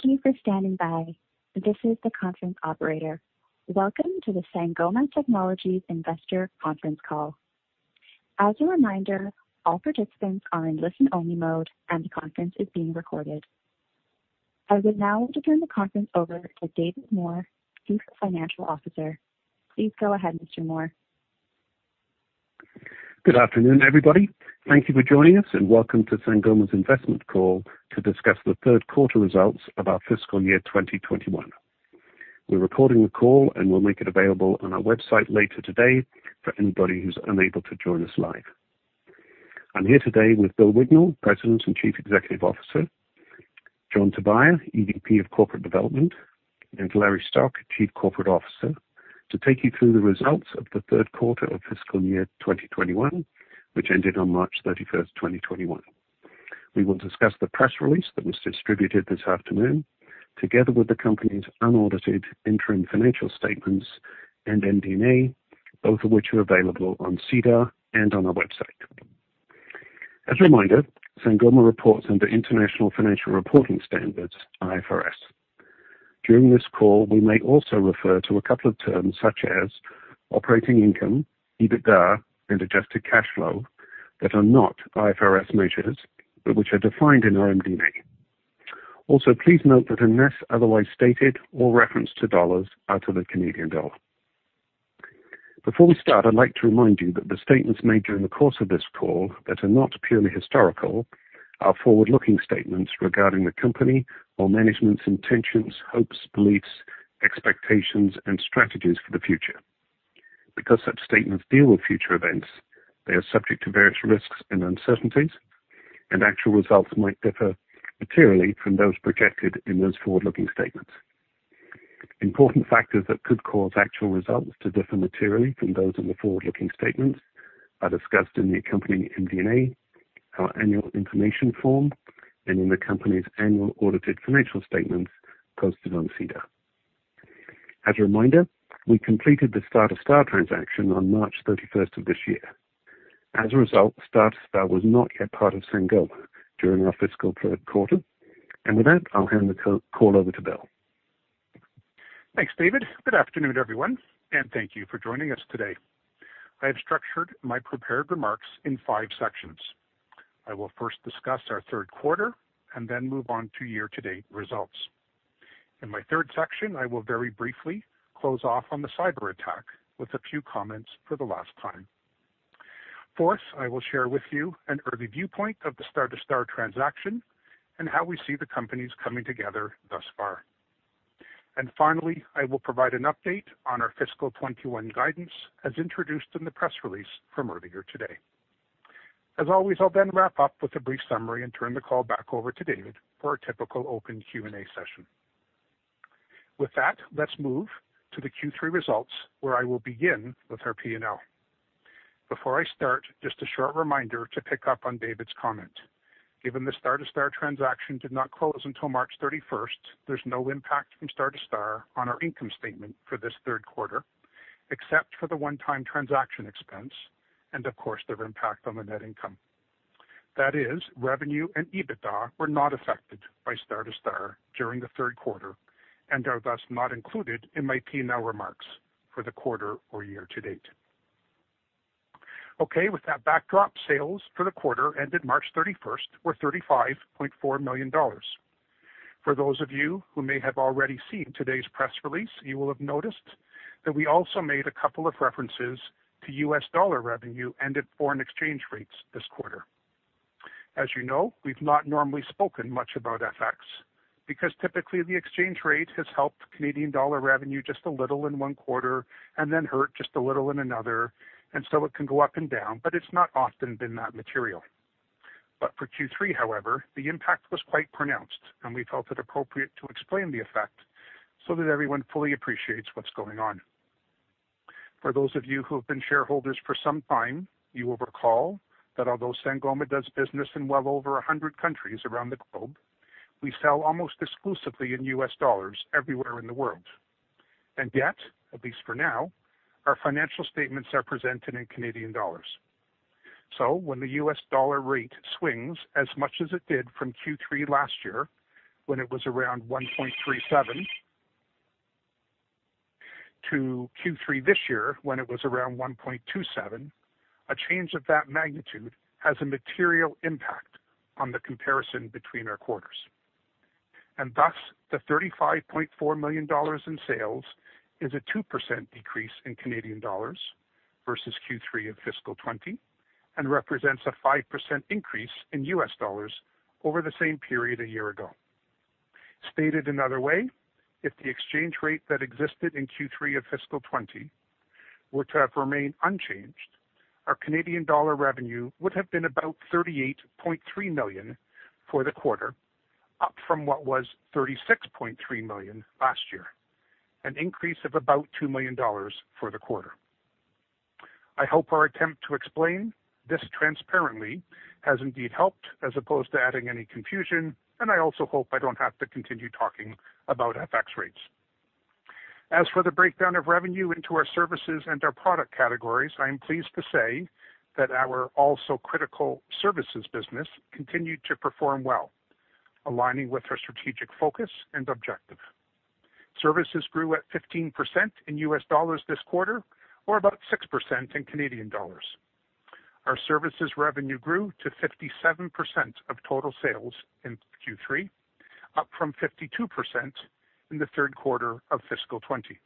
Thank you for standing by. This is the conference operator. Welcome to the Sangoma Technologies investor conference call. As a reminder, all participants are in listen-only mode, and the conference is being recorded. I would now like to turn the conference over to David Moore, Chief Financial Officer. Please go ahead, Mr. Moore. Good afternoon, everybody. Thank you for joining us, and welcome to Sangoma's investment call to discuss the third quarter results of our fiscal year 2021. We're recording the call, and we'll make it available on our website later today for anybody who's unable to join us live. I'm here today with Bill Wignall, President and Chief Executive Officer, John Tobia, EVP of Corporate Development, and Larry Stock, Chief Corporate Officer, to take you through the results of the third quarter of fiscal year 2021, which ended on March 31st, 2021. We will discuss the press release that was distributed this afternoon, together with the company's unaudited interim financial statements and MD&A, both of which are available on SEDAR and on our website. As a reminder, Sangoma reports under international financial reporting standards, IFRS. During this call, we may also refer to a couple of terms such as operating income, EBITDA, and adjusted cash flow that are not IFRS measures, but which are defined in our MD&A. Also, please note that unless otherwise stated, all reference to dollars are to the Canadian dollar. Before we start, I'd like to remind you that the statements made during the course of this call that are not purely historical are forward-looking statements regarding the company or management's intentions, hopes, beliefs, expectations, and strategies for the future. Because such statements deal with future events, they are subject to various risks and uncertainties, and actual results might differ materially from those projected in those forward-looking statements. Important factors that could cause actual results to differ materially from those in the forward-looking statements are discussed in the accompanying MD&A, our annual information form, and in the company's annual audited financial statements posted on SEDAR. As a reminder, we completed the Star2Star transaction on March 31st of this year. As a result, Star2Star was not yet part of Sangoma during our fiscal third quarter. With that, I'll hand the call over to Bill. Thanks, David. Good afternoon, everyone, and thank you for joining us today. I have structured my prepared remarks in five sections. I will first discuss our third quarter and then move on to year-to-date results. In my third section, I will very briefly close off on the cyber attack with a few comments for the last time. Fourth, I will share with you an early viewpoint of the Star2Star transaction and how we see the companies coming together thus far. Finally, I will provide an update on our FY 2021 guidance as introduced in the press release from earlier today. As always, I'll then wrap up with a brief summary and turn the call back over to David for a typical open Q&A session. With that, let's move to the Q3 results, where I will begin with our P&L. Before I start, just a short reminder to pick up on David's comment. Given the Star2Star transaction did not close until March 31st, there's no impact from Star2Star on our income statement for this third quarter, except for the one-time transaction expense and, of course, their impact on the net income. That is, revenue and EBITDA were not affected by Star2Star during the third quarter and are thus not included in my P&L remarks for the quarter or year-to-date. Okay, with that backdrop, sales for the quarter ended March 31st were 35.4 million dollars. For those of you who may have already seen today's press release, you will have noticed that we also made a couple of references to US dollar revenue and at foreign exchange rates this quarter. As you know, we've not normally spoken much about FX because typically the exchange rate has helped Canadian dollar revenue just a little in one quarter and then hurt just a little in another, and so it can go up and down, but it's not often been that material. For Q3, however, the impact was quite pronounced, and we felt it appropriate to explain the effect so that everyone fully appreciates what's going on. For those of you who have been shareholders for some time, you will recall that although Sangoma does business in well over 100 countries around the globe, we sell almost exclusively in US dollars everywhere in the world. Yet, at least for now, our financial statements are presented in Canadian dollars. When the U.S. dollar rate swings as much as it did from Q3 last year, when it was around 1.37, to Q3 this year, when it was around 1.27, a change of that magnitude has a material impact on the comparison between our quarters. Thus, the 35.4 million dollars in sales is a 2% decrease in Canadian dollars versus Q3 in fiscal '20 and represents a 5% increase in U.S. dollars over the same period a year ago. Stated another way, if the exchange rate that existed in Q3 of fiscal '20 were to have remained unchanged, our Canadian dollar revenue would have been about 38.3 million for the quarter, up from what was 36.3 million last year, an increase of about 2 million dollars for the quarter. I hope our attempt to explain this transparently has indeed helped as opposed to adding any confusion. I also hope I don't have to continue talking about FX rates. As for the breakdown of revenue into our services and our product categories, I am pleased to say that our also critical services business continued to perform well, aligning with our strategic focus and objective. Services grew at 15% in US dollars this quarter, or about 6% in Canadian dollars. Our services revenue grew to 57% of total sales in Q3, up from 52% in the third quarter of fiscal 2020.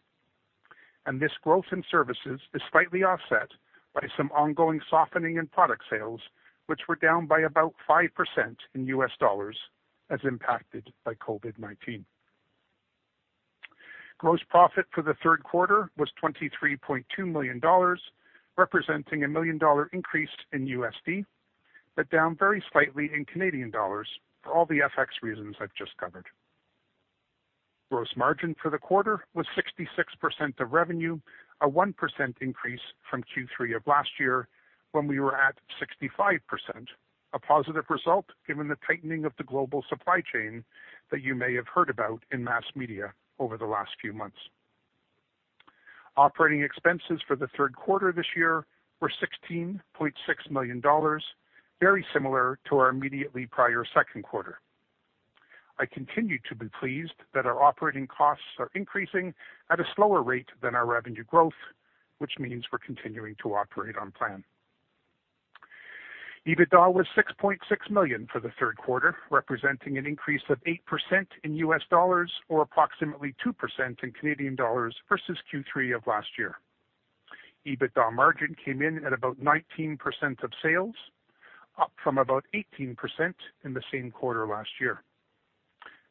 This growth in services is slightly offset by some ongoing softening in product sales, which were down by about 5% in US dollars as impacted by COVID-19. Gross profit for the third quarter was 23.2 million dollars, representing a million-dollar increase in U.S. dollars, but down very slightly in Canadian dollars for all the FX reasons I've just covered. Gross margin for the quarter was 66% of revenue, a 1% increase from Q3 of last year when we were at 65%. A positive result given the tightening of the global supply chain that you may have heard about in mass media over the last few months. Operating expenses for the third quarter this year were 16.6 million dollars, very similar to our immediately prior second quarter. I continue to be pleased that our operating costs are increasing at a slower rate than our revenue growth, which means we're continuing to operate on plan. EBITDA was 6.6 million for the third quarter, representing an increase of 8% in U.S. dollars or approximately 2% in Canadian dollars versus Q3 of last year. EBITDA margin came in at about 19% of sales, up from about 18% in the same quarter last year.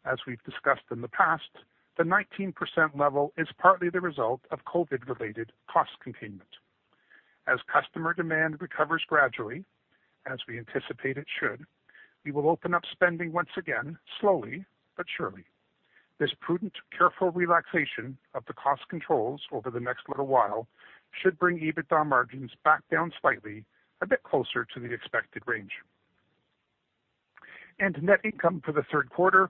As we've discussed in the past, the 19% level is partly the result of COVID-related cost containment. As customer demand recovers gradually, as we anticipate it should, we will open up spending once again, slowly but surely. This prudent, careful relaxation of the cost controls over the next little while should bring EBITDA margins back down slightly, a bit closer to the expected range. Net income for the third quarter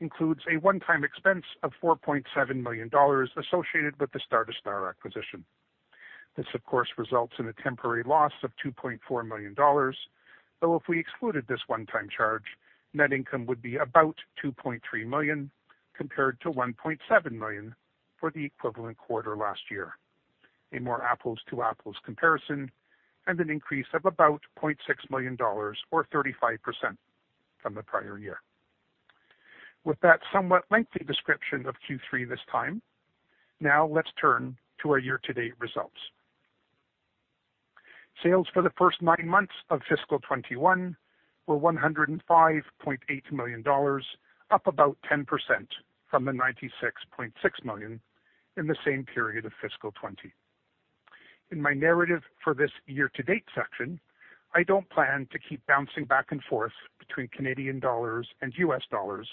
includes a one-time expense of 4.7 million dollars associated with the Star2Star acquisition. This, of course, results in a temporary loss of 2.4 million dollars, though if we excluded this one-time charge, net income would be about 2.3 million compared to 1.7 million for the equivalent quarter last year. A more apples-to-apples comparison, an increase of about 0.6 million dollars or 35% from the prior year. With that somewhat lengthy description of Q3 this time, now let's turn to our year-to-date results. Sales for the first nine months of fiscal 2021 were 105.8 million dollars, up about 10% from the 96.6 million in the same period of fiscal 2020. In my narrative for this year-to-date section, I don't plan to keep bouncing back and forth between Canadian dollars and US dollars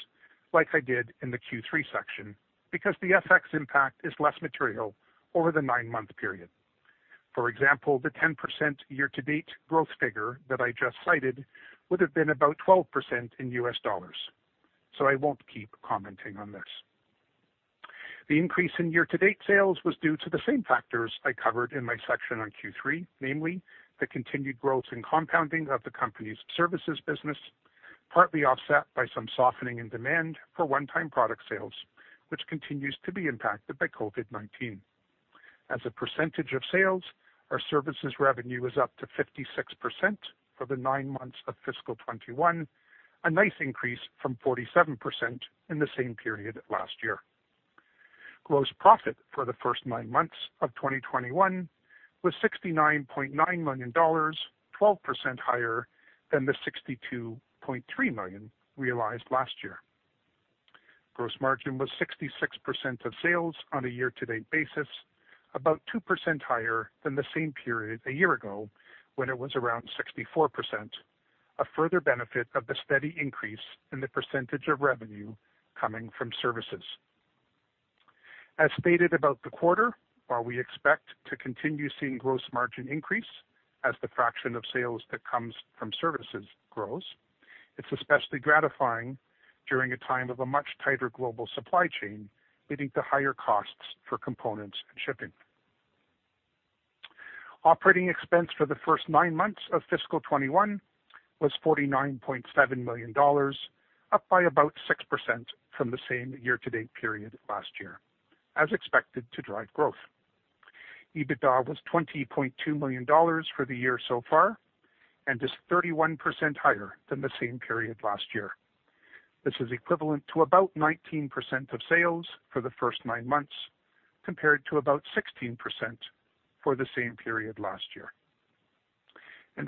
like I did in the Q3 section because the FX impact is less material over the nine-month period. For example, the 10% year-to-date growth figure that I just cited would have been about 12% in US dollars. I won't keep commenting on this. The increase in year-to-date sales was due to the same factors I covered in my section on Q3, namely the continued growth and compounding of the company's services business, partly offset by some softening in demand for one-time product sales, which continues to be impacted by COVID-19. As a percentage of sales, our services revenue is up to 56% for the nine months of fiscal 2021, a nice increase from 47% in the same period last year. Gross profit for the first nine months of 2021 was 69.9 million dollars, 12% higher than the 62.3 million realized last year. Gross margin was 66% of sales on a year-to-date basis, about 2% higher than the same period a year ago when it was around 64%, a further benefit of the steady increase in the percentage of revenue coming from services. As stated about the quarter, while we expect to continue seeing gross margin increase as the fraction of sales that comes from services grows, it's especially gratifying during a time of a much tighter global supply chain leading to higher costs for components and shipping. Operating expense for the first nine months of fiscal 2021 was 49.7 million dollars, up by about 6% from the same year-to-date period last year, as expected to drive growth. EBITDA was 20.2 million dollars for the year so far and is 31% higher than the same period last year. This is equivalent to about 19% of sales for the first nine months, compared to about 16% for the same period last year.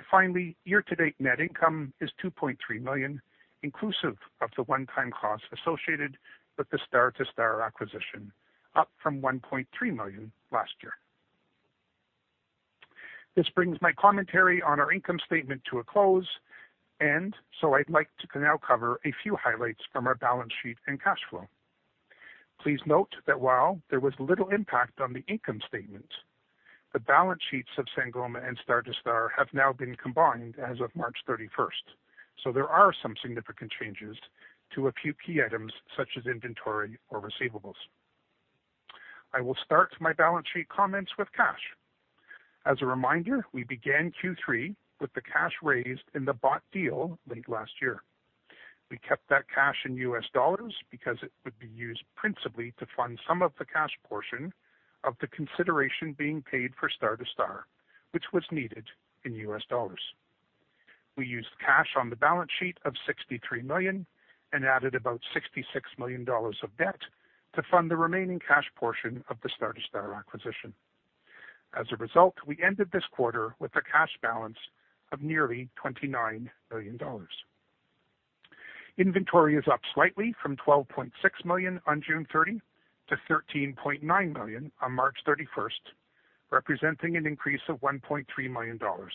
Finally, year-to-date net income is 2.3 million, inclusive of the one-time cost associated with the Star2Star acquisition, up from 1.3 million last year. This brings my commentary on our income statement to a close. I'd like to now cover a few highlights from our balance sheet and cash flow. Please note that while there was little impact on the income statement. The balance sheets of Sangoma and Star2Star have now been combined as of March 31st. There are some significant changes to a few key items, such as inventory or receivables. I will start my balance sheet comments with cash. As a reminder, we began Q3 with the cash raised in the bought deal late last year. We kept that cash in US dollars because it would be used principally to fund some of the cash portion of the consideration being paid for Star2Star, which was needed in US dollars. We used cash on the balance sheet of 63 million and added about 66 million dollars of debt to fund the remaining cash portion of the Star2Star acquisition. As a result, we ended this quarter with a cash balance of nearly 29 million dollars. Inventory is up slightly from 12.6 million on June 30 to 13.9 million on March 31st, representing an increase of 1.3 million dollars.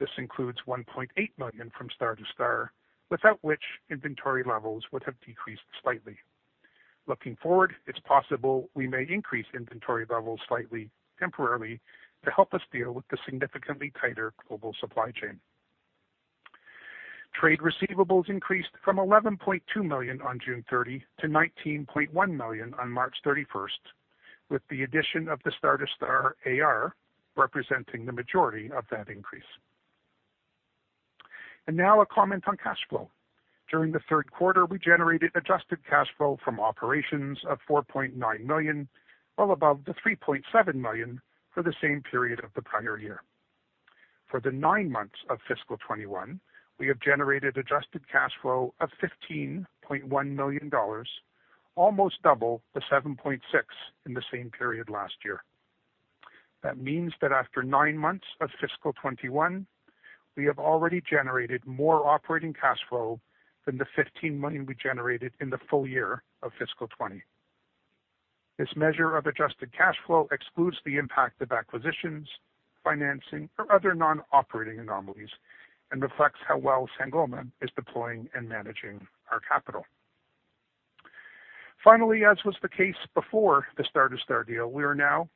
This includes 1.8 million from Star2Star, without which inventory levels would have decreased slightly. Looking forward, it's possible we may increase inventory levels slightly temporarily to help us deal with the significantly tighter global supply chain. Trade receivables increased from 11.2 million on June 30 to 19.1 million on March 31st, with the addition of the Star2Star AR representing the majority of that increase. Now a comment on cash flow. During the third quarter, we generated adjusted cash flow from operations of 4.9 million, well above the 3.7 million for the same period of the prior year. For the nine months of fiscal 2021, we have generated adjusted cash flow of 15.1 million dollars, almost double the 7.6 in the same period last year. That means that after nine months of fiscal 2021, we have already generated more operating cash flow than the 15 million we generated in the full year of fiscal 2020. This measure of adjusted cash flow excludes the impact of acquisitions, financing, or other non-operating anomalies and reflects how well Sangoma is deploying and managing our capital. Finally, as was the case before the Star2Star deal, we are now,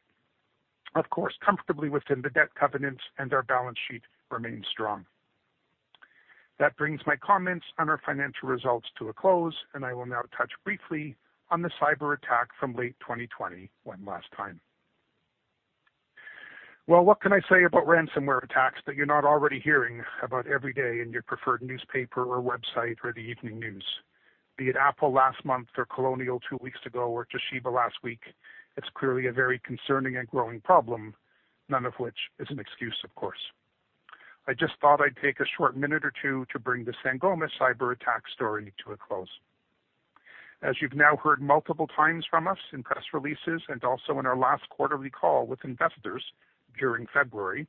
of course, comfortably within the debt covenants, and our balance sheet remains strong. That brings my comments on our financial results to a close, and I will now touch briefly on the cyber attack from late 2021 last time. Well, what can I say about ransomware attacks that you're not already hearing about every day in your preferred newspaper or website or the evening news? Be it Apple last month or Colonial two weeks ago, or Toshiba last week, it's clearly a very concerning and growing problem. None of which is an excuse, of course. I just thought I'd take a short minute or two to bring the Sangoma cyber attack story to a close. As you've now heard multiple times from us in press releases and also in our last quarterly call with investors during February,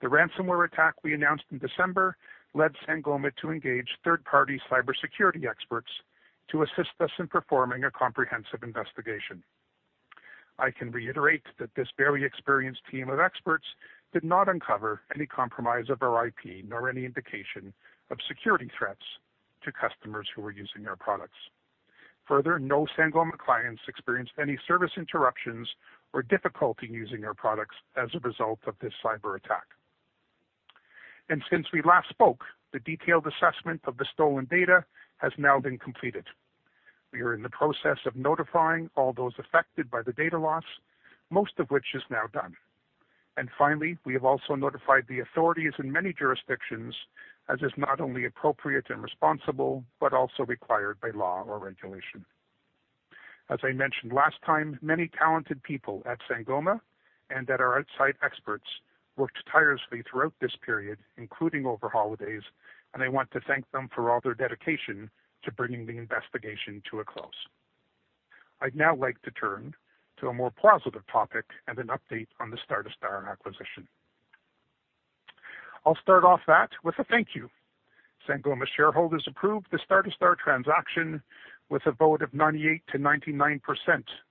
the ransomware attack we announced in December led Sangoma to engage third-party cybersecurity experts to assist us in performing a comprehensive investigation. I can reiterate that this very experienced team of experts did not uncover any compromise of our IP, nor any indication of security threats to customers who were using our products. No Sangoma clients experienced any service interruptions or difficulty using our products as a result of this cyber attack. Since we last spoke, the detailed assessment of the stolen data has now been completed. We are in the process of notifying all those affected by the data loss, most of which is now done. Finally, we have also notified the authorities in many jurisdictions, as is not only appropriate and responsible but also required by law or regulation. As I mentioned last time, many talented people at Sangoma and at our outside experts worked tirelessly throughout this period, including over holidays, and I want to thank them for all their dedication to bringing the investigation to a close. I'd now like to turn to a more positive topic and an update on the Star2Star acquisition. I'll start off that with a thank you. Sangoma shareholders approved the Star2Star transaction with a vote of 98% to 99%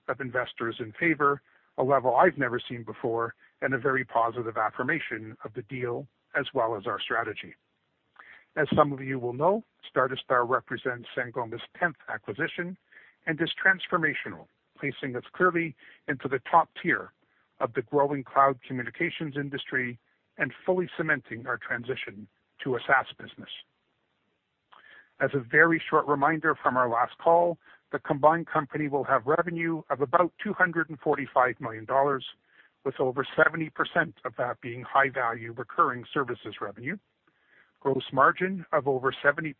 of investors in favor, a level I've never seen before, and a very positive affirmation of the deal as well as our strategy. As some of you will know, Star2Star represents Sangoma's 10th acquisition and is transformational, placing us clearly into the top tier of the growing cloud communications industry and fully cementing our transition to a SaaS business. As a very short reminder from our last call, the combined company will have revenue of about 245 million dollars, with over 70% of that being high-value recurring services revenue, gross margin of over 70%,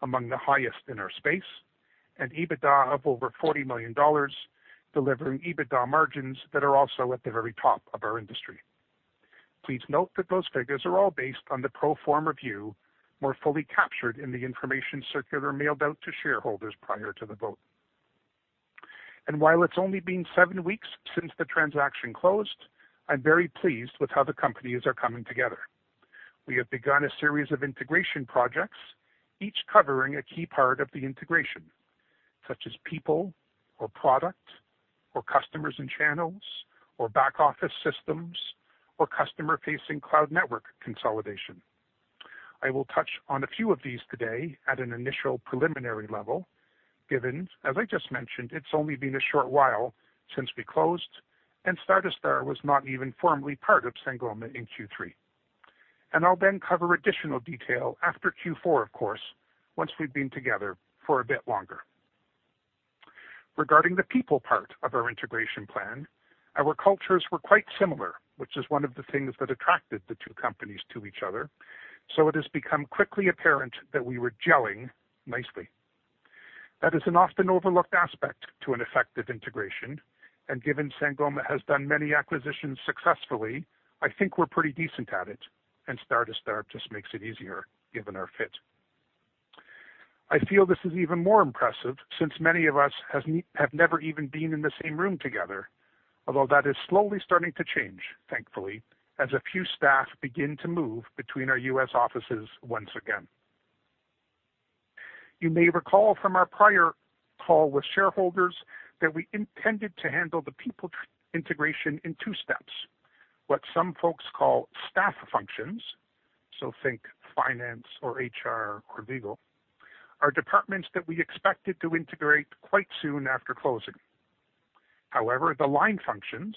among the highest in our space, and EBITDA of over 40 million dollars, delivering EBITDA margins that are also at the very top of our industry. Please note that those figures are all based on the pro forma view, more fully captured in the information circular mailed out to shareholders prior to the vote. While it's only been seven weeks since the transaction closed, I'm very pleased with how the companies are coming together. We have begun a series of integration projects, each covering a key part of the integration, such as people or product or customers and channels or back-office systems or customer-facing cloud network consolidation. I will touch on a few of these today at an initial preliminary level, given, as I just mentioned, it's only been a short while since we closed, and Star2Star was not even formally part of Sangoma in Q3. I'll then cover additional detail after Q4, of course, once we've been together for a bit longer. Regarding the people part of our integration plan, our cultures were quite similar, which is one of the things that attracted the two companies to each other. It has become quickly apparent that we were gelling nicely. That is an often overlooked aspect to an effective integration, and given Sangoma has done many acquisitions successfully, I think we're pretty decent at it, and Star2Star just makes it easier given our fit. I feel this is even more impressive since many of us have never even been in the same room together. Although that is slowly starting to change, thankfully, as a few staff begin to move between our U.S. offices once again. You may recall from our prior call with shareholders that we intended to handle the people integration in two steps. What some folks call staff functions, so think finance or HR or legal, are departments that we expected to integrate quite soon after closing. However, the line functions,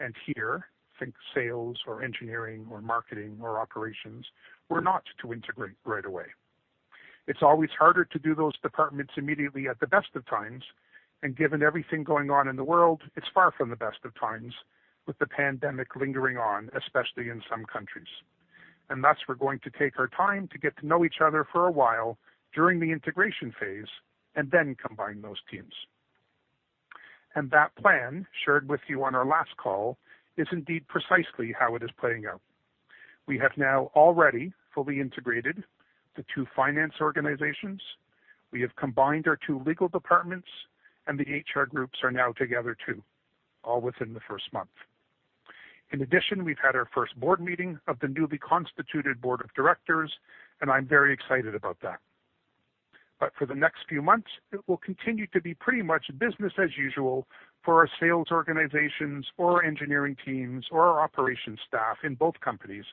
and here think sales or engineering or marketing or operations, were not to integrate right away. It's always harder to do those departments immediately at the best of times, and given everything going on in the world, it's far from the best of times, with the pandemic lingering on, especially in some countries. Thus, we're going to take our time to get to know each other for a while during the integration phase and then combine those teams. That plan shared with you on our last call is indeed precisely how it is playing out. We have now already fully integrated the two finance organizations. We have combined our two legal departments, and the HR groups are now together too, all within the first month. In addition, we've had our first board meeting of the newly constituted board of directors, and I'm very excited about that. For the next few months, it will continue to be pretty much business as usual for our sales organizations or engineering teams or our operations staff in both companies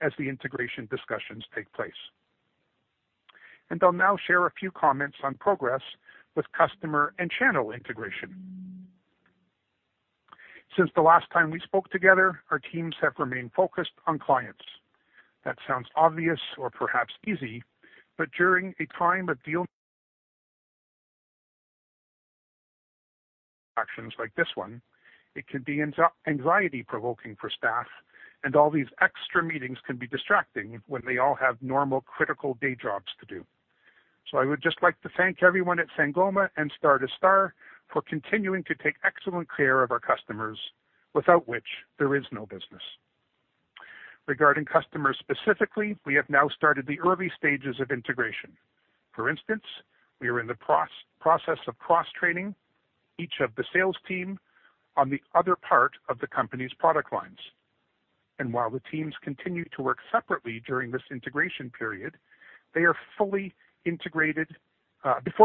as the integration discussions take place. I'll now share a few comments on progress with customer and channel integration. Since the last time we spoke together, our teams have remained focused on clients. That sounds obvious or perhaps easy, but during a time of deal transactions like this one, it can be anxiety-provoking for staff, and all these extra meetings can be distracting when they all have normal, critical day jobs to do. I would just like to thank everyone at Sangoma and Star2Star for continuing to take excellent care of our customers, without which there is no business. Regarding customers specifically, we have now started the early stages of integration. For instance, we are in the process of cross-training each of the sales team on the other part of the company's product lines. While the teams continue to work separately during this integration period, before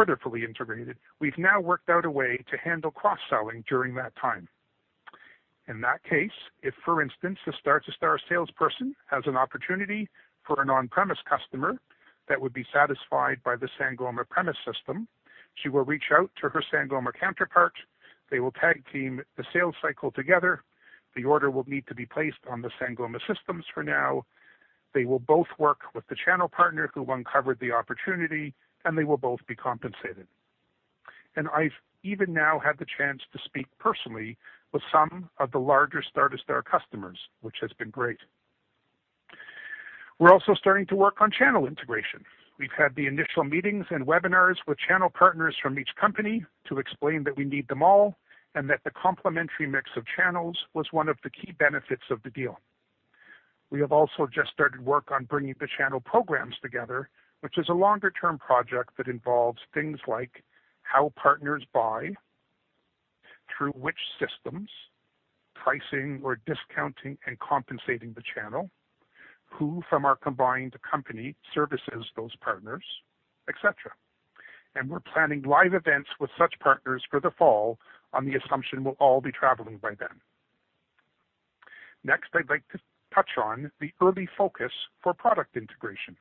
they're fully integrated, we've now worked out a way to handle cross-selling during that time. In that case, if, for instance, the Star2Star salesperson has an opportunity for an on-premise customer that would be satisfied by the Sangoma premise system, she will reach out to her Sangoma counterpart. They will tag-team the sales cycle together. The order will need to be placed on the Sangoma systems for now. They will both work with the channel partner who uncovered the opportunity, and they will both be compensated. I've even now had the chance to speak personally with some of the larger Star2Star customers, which has been great. We're also starting to work on channel integration. We've had the initial meetings and webinars with channel partners from each company to explain that we need them all and that the complementary mix of channels was one of the key benefits of the deal. We have also just started work on bringing the channel programs together, which is a longer-term project that involves things like how partners buy, through which systems, pricing or discounting, and compensating the channel, who from our combined company services those partners, et cetera. We're planning live events with such partners for the fall on the assumption we'll all be traveling by then. Next, I'd like to touch on the early focus for product integration.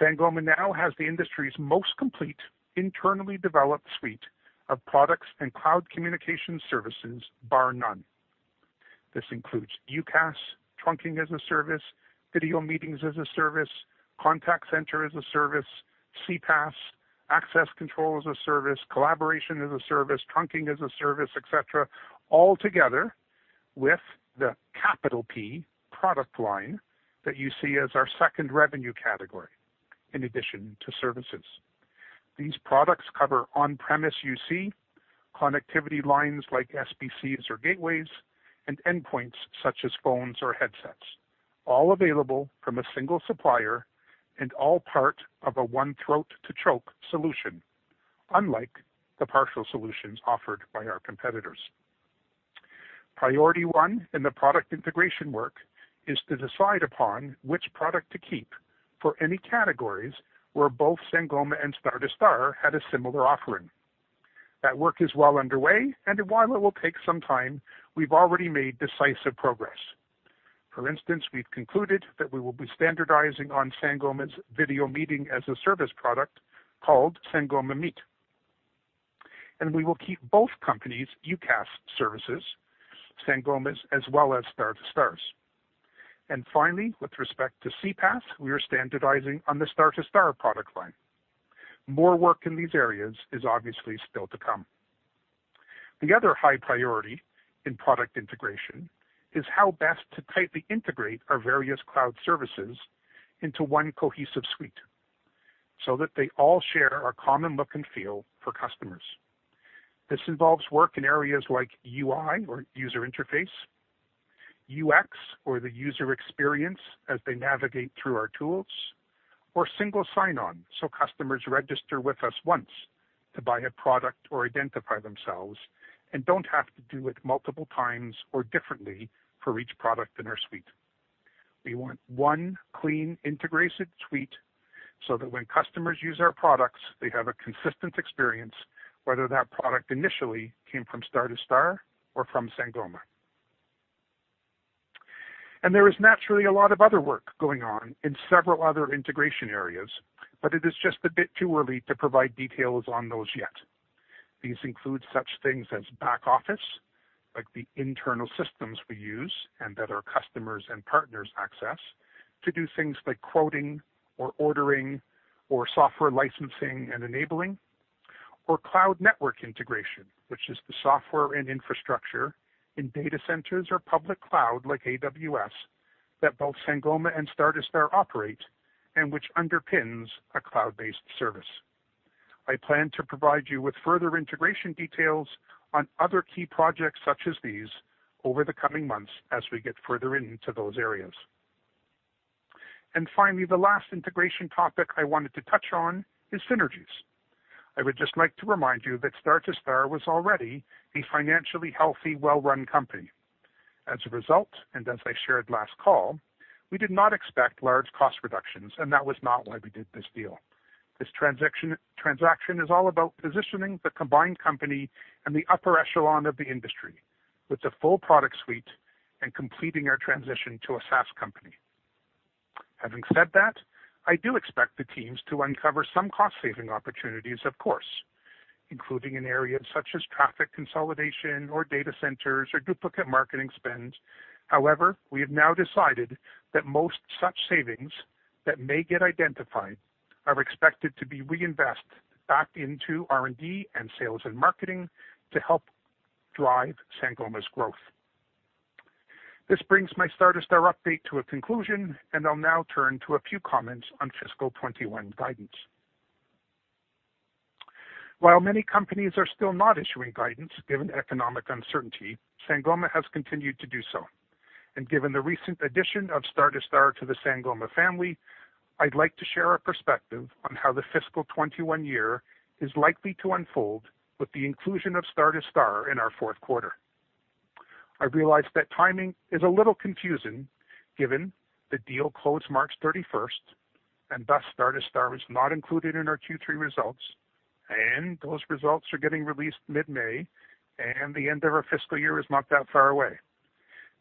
Sangoma now has the industry's most complete internally developed suite of products and cloud communication services, bar none. This includes UCaaS, trunking as a service, video meetings as a service, contact center as a service, CPaaS, access control as a service, collaboration as a service, trunking as a service, et cetera, all together with the product line that you see as our second revenue category in addition to services. These products cover on-premise UC, connectivity lines like SBCs or gateways, and endpoints such as phones or headsets, all available from a single supplier and all part of a one throat to choke solution, unlike the partial solutions offered by our competitors. Priority 1 in the product integration work is to decide upon which product to keep for any categories where both Sangoma and Star2Star had a similar offering. That work is well underway, and while it will take some time, we've already made decisive progress. For instance, we've concluded that we will be standardizing on Sangoma's video meeting-as-a-service product called Sangoma Meet, and we will keep both companies' UCaaS services, Sangoma's as well as Star2Star's. Finally, with respect to CPaaS, we are standardizing on the Star2Star product line. More work in these areas is obviously still to come. The other high priority in product integration is how best to tightly integrate our various cloud services into one cohesive suite so that they all share a common look and feel for customers. This involves work in areas like UI or user interface, UX or the user experience as they navigate through our tools, or single sign-on so customers register with us once to buy a product or identify themselves and don't have to do it multiple times or differently for each product in our suite. We want one clean, integrated suite so that when customers use our products, they have a consistent experience, whether that product initially came from Star2Star or from Sangoma. There is naturally a lot of other work going on in several other integration areas, but it is just a bit too early to provide details on those yet. These include such things as back office, like the internal systems we use and that our customers and partners access to do things like quoting or ordering or software licensing and enabling, or cloud network integration, which is the software and infrastructure in data centers or public cloud like AWS, that both Sangoma and Star2Star operate, and which underpins a cloud-based service. I plan to provide you with further integration details on other key projects such as these over the coming months as we get further into those areas. Finally, the last integration topic I wanted to touch on is synergies. I would just like to remind you that Star2Star was already a financially healthy, well-run company. As a result, and as I shared last call, we did not expect large cost reductions, and that was not why we did this deal. This transaction is all about positioning the combined company in the upper echelon of the industry with a full product suite and completing our transition to a SaaS company. Having said that, I do expect the teams to uncover some cost-saving opportunities, of course, including in areas such as traffic consolidation or data centers or duplicate marketing spend. However, we have now decided that most such savings that may get identified are expected to be reinvested back into R&D and sales and marketing to help drive Sangoma's growth. This brings my Star2Star update to a conclusion, and I'll now turn to a few comments on fiscal 2021 guidance. While many companies are still not issuing guidance given economic uncertainty, Sangoma has continued to do so. Given the recent addition of Star2Star to the Sangoma family, I'd like to share a perspective on how the fiscal 2021 year is likely to unfold with the inclusion of Star2Star in our fourth quarter. I realize that timing is a little confusing given the deal closed March 31st. Thus Star2Star was not included in our Q3 results. Those results are getting released mid-May. The end of our fiscal year is not that far away.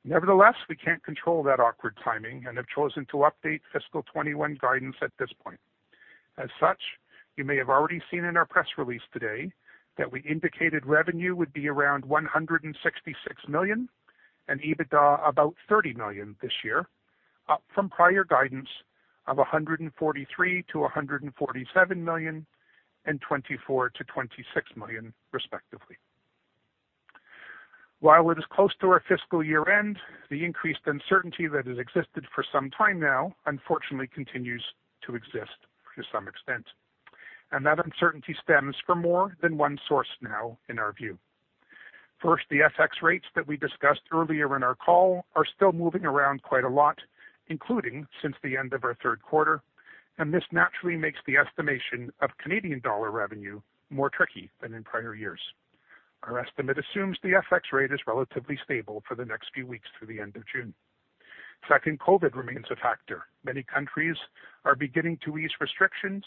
Nevertheless, we can't control that awkward timing and have chosen to update fiscal 2021 guidance at this point. As such, you may have already seen in our press release today that we indicated revenue would be around 166 million and EBITDA about 30 million this year, up from prior guidance of 143 million-147 million and 24 million-26 million respectively. While it is close to our fiscal year-end, the increased uncertainty that has existed for some time now unfortunately continues to exist to some extent, and that uncertainty stems from more than one source now in our view. First, the FX rates that we discussed earlier in our call are still moving around quite a lot, including since the end of our third quarter, and this naturally makes the estimation of Canadian dollar revenue more tricky than in prior years. Our estimate assumes the FX rate is relatively stable for the next few weeks through the end of June. Second, COVID remains a factor. Many countries are beginning to ease restrictions,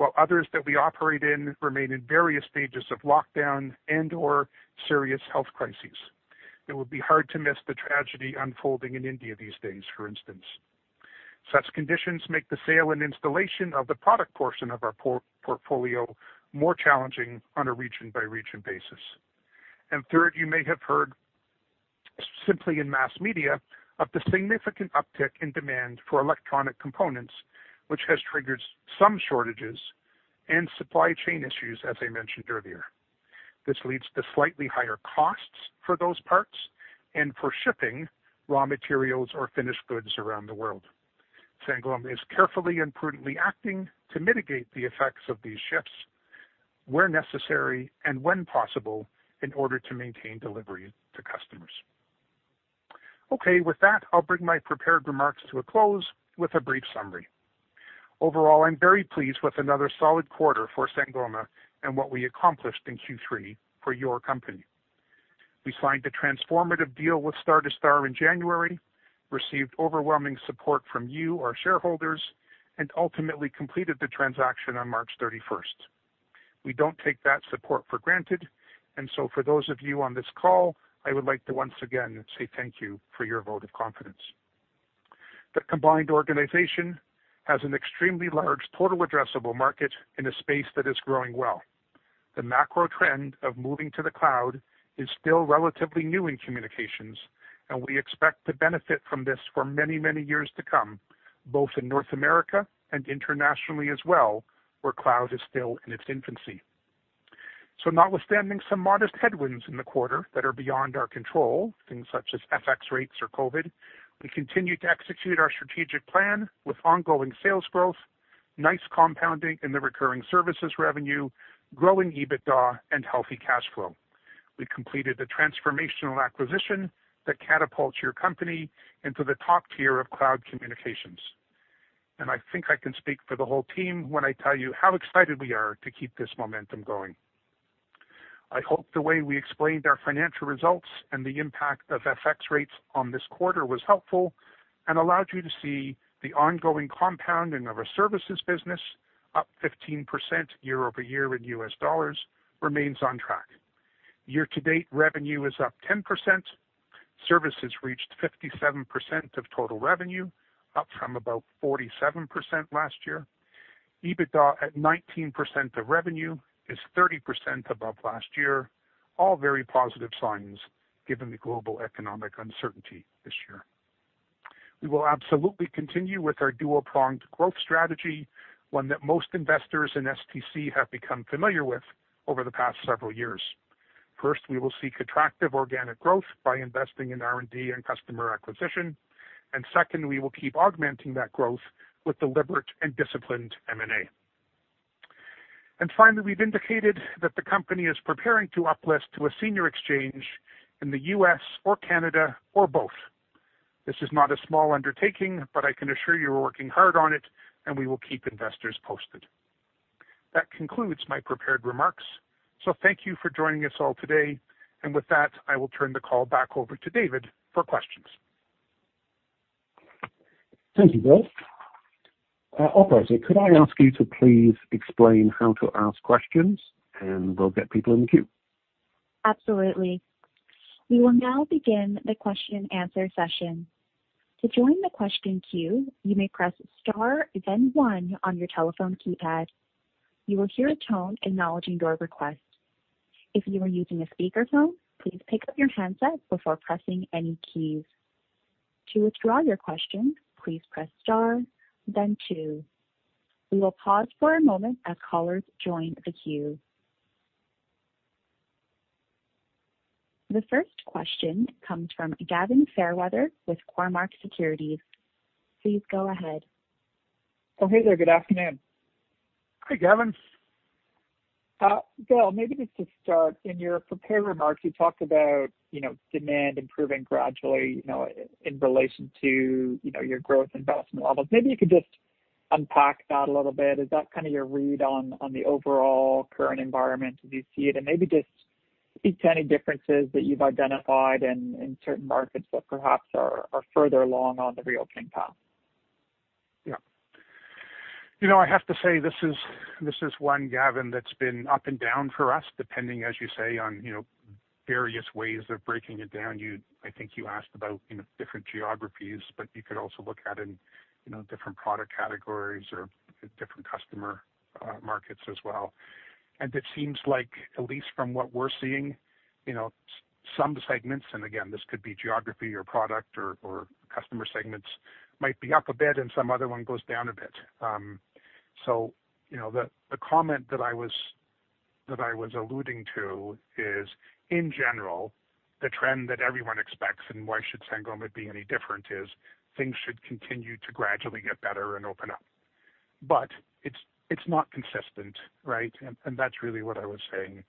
while others that we operate in remain in various stages of lockdown and/or serious health crises. It would be hard to miss the tragedy unfolding in India these days, for instance. Such conditions make the sale and installation of the product portion of our portfolio more challenging on a region-by-region basis. Third, you may have heard simply in mass media of the significant uptick in demand for electronic components, which has triggered some shortages and supply chain issues, as I mentioned earlier. This leads to slightly higher costs for those parts and for shipping raw materials or finished goods around the world. Sangoma is carefully and prudently acting to mitigate the effects of these shifts where necessary and when possible in order to maintain delivery to customers. Okay. With that, I'll bring my prepared remarks to a close with a brief summary. Overall, I'm very pleased with another solid quarter for Sangoma and what we accomplished in Q3 for your company. We signed a transformative deal with Star2Star in January, received overwhelming support from you, our shareholders, and ultimately completed the transaction on March 31st. We don't take that support for granted. For those of you on this call, I would like to once again say thank you for your vote of confidence. The combined organization has an extremely large total addressable market in a space that is growing well. The macro trend of moving to the cloud is still relatively new in communications, and we expect to benefit from this for many, many years to come, both in North America and internationally as well, where cloud is still in its infancy. Notwithstanding some modest headwinds in the quarter that are beyond our control, things such as FX rates or COVID, we continue to execute our strategic plan with ongoing sales growth, nice compounding in the recurring services revenue, growing EBITDA, and healthy cash flow. We completed the transformational acquisition that catapults your company into the top tier of cloud communications. I think I can speak for the whole team when I tell you how excited we are to keep this momentum going. I hope the way we explained our financial results and the impact of FX rates on this quarter was helpful and allowed you to see the ongoing compounding of our services business, up 15% year-over-year in US dollars, remains on track. Year-to-date, revenue is up 10%. Services reached 57% of total revenue, up from about 47% last year. EBITDA at 19% of revenue is 30% above last year. All very positive signs given the global economic uncertainty this year. We will absolutely continue with our dual-pronged growth strategy, one that most investors in STC have become familiar with over the past several years. First, we will seek attractive organic growth by investing in R&D and customer acquisition. Second, we will keep augmenting that growth with deliberate and disciplined M&A. Finally, we've indicated that the company is preparing to uplist to a senior exchange in the U.S. or Canada or both. This is not a small undertaking, but I can assure you we're working hard on it, and we will keep investors posted. That concludes my prepared remarks. Thank you for joining us all today. With that, I will turn the call back over to David for questions. Thank you, Bill. Operator, could I ask you to please explain how to ask questions, and we'll get people in the queue? Absolutely. We will now begin the question and answer session. We will now begin the question and answer session. To join the question queue you may press star, then one on your telephone keypad. You will hear a tone acknowledging your request. If you are using a speakerphone, please pick up your handset before pressing any keys. To withdraw your question, please press star, then two. We will pause for a moment as callers join the queue. The first question comes from Gavin Fairweather with Cormark Securities. Please go ahead. Hey there. Good afternoon. Hi, Gavin. Bill, maybe just to start, in your prepared remarks, you talked about demand improving gradually in relation to your growth investment levels. Maybe you could just unpack that a little bit. Is that kind of your read on the overall current environment as you see it? Maybe just any differences that you've identified in certain markets that perhaps are further along on the reopening path? Yeah. I have to say, this is one, Gavin, that's been up and down for us, depending, as you say, on various ways of breaking it down. I think you asked about different geographies, but you could also look at in different product categories or different customer markets as well. It seems like at least from what we're seeing, some segments, and again, this could be geography or product or customer segments, might be up a bit and some other one goes down a bit. The comment that I was alluding to is, in general, the trend that everyone expects, and why should Sangoma be any different, is things should continue to gradually get better and open up. It's not consistent, right? That's really what I was saying.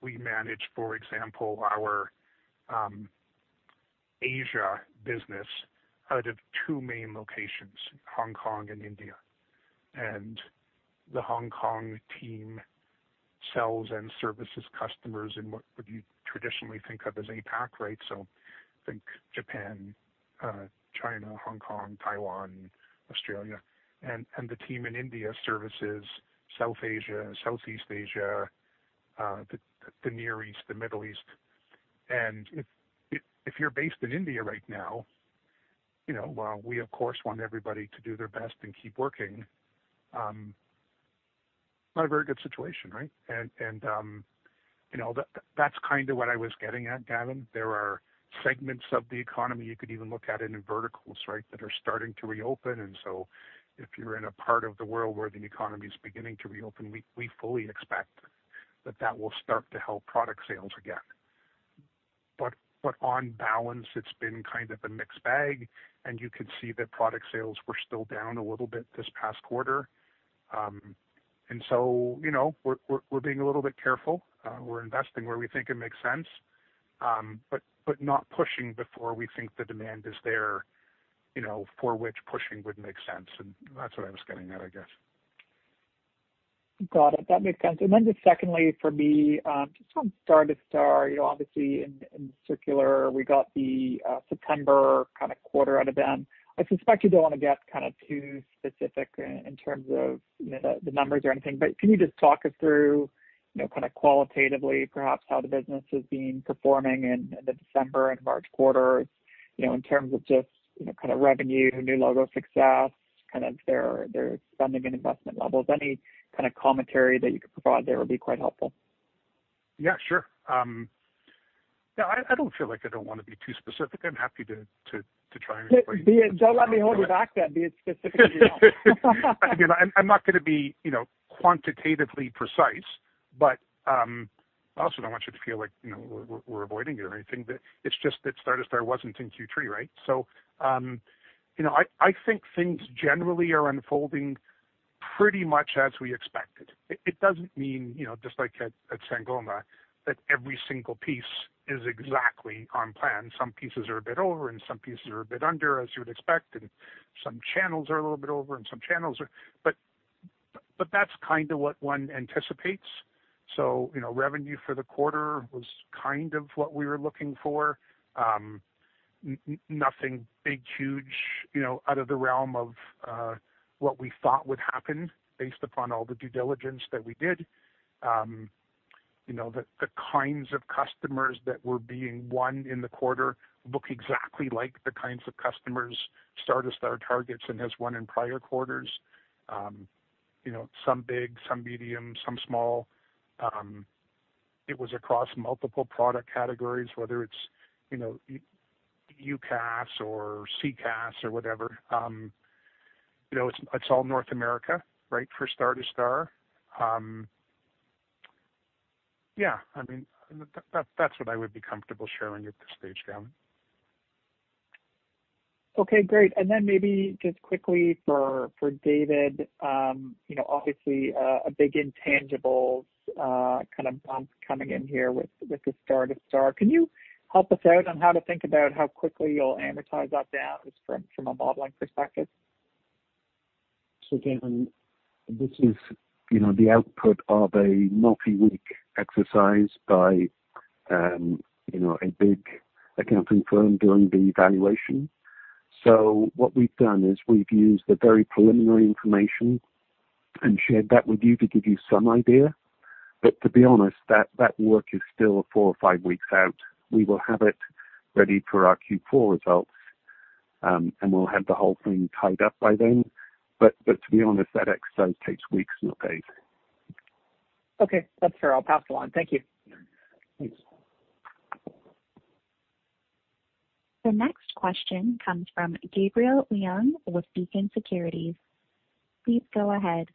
We manage, for example, our Asia business out of two main locations, Hong Kong and India. The Hong Kong team sells and services customers in what you traditionally think of as APAC, right? Think Japan, China, Hong Kong, Taiwan, Australia. The team in India services South Asia, Southeast Asia, the Near East, the Middle East. If you're based in India right now, while we, of course, want everybody to do their best and keep working, not a very good situation, right? That's kind of what I was getting at, Gavin. There are segments of the economy, you could even look at it in verticals, right, that are starting to reopen. If you're in a part of the world where the economy is beginning to reopen, we fully expect that that will start to help product sales again. On balance, it's been kind of a mixed bag, and you can see that product sales were still down a little bit this past quarter. We're being a little bit careful. We're investing where we think it makes sense. Not pushing before we think the demand is there, for which pushing would make sense. That's what I was getting at, I guess. Got it. That makes sense. Just secondly, for me, just on Star2Star, obviously in SEDAR, we got the September quarter out of them. I suspect you don't want to get too specific in terms of the numbers or anything, but can you just talk us through qualitatively perhaps how the business has been performing in the December and March quarters, in terms of just revenue, new logo success, their spending and investment levels? Any kind of commentary that you could provide there would be quite helpful. Yeah, sure. No, I don't feel like I don't want to be too specific. I'm happy to try and- Don't let me hold you back, be as specific as you want. I'm not going to be quantitatively precise, but I also don't want you to feel like we're avoiding you or anything, but it's just that Star2Star wasn't in Q3, right? I think things generally are unfolding pretty much as we expected. It doesn't mean, just like at Sangoma, that every single piece is exactly on plan. Some pieces are a bit over and some pieces are a bit under, as you'd expect, and some channels are a little bit over. That's what one anticipates. Revenue for the quarter was what we were looking for. Nothing big, huge, out of the realm of what we thought would happen based upon all the due diligence that we did. The kinds of customers that were being won in the quarter look exactly like the kinds of customers Star2Star targets and has won in prior quarters. Some big, some medium, some small. It was across multiple product categories, whether it's UCaaS or CCaaS or whatever. It's all North America, right, for Star2Star. Yeah, that's what I would be comfortable sharing at this stage, Gavin. Okay, great. Maybe just quickly for David, obviously a big intangibles bump coming in here with the Star2Star. Can you help us out on how to think about how quickly you'll amortize that down just from a modeling perspective? Again, this is the output of a multi-week exercise by a big accounting firm doing the evaluation. What we've done is we've used the very preliminary information and shared that with you to give you some idea. To be honest, that work is still four or five weeks out. We will have it ready for our Q4 results, and we'll have the whole thing tied up by then. To be honest, that exercise takes weeks, not days. Okay. That's fair. I'll pass it on. Thank you. Thanks. The next question comes from Gabriel Leung with Beacon Securities. Please go ahead.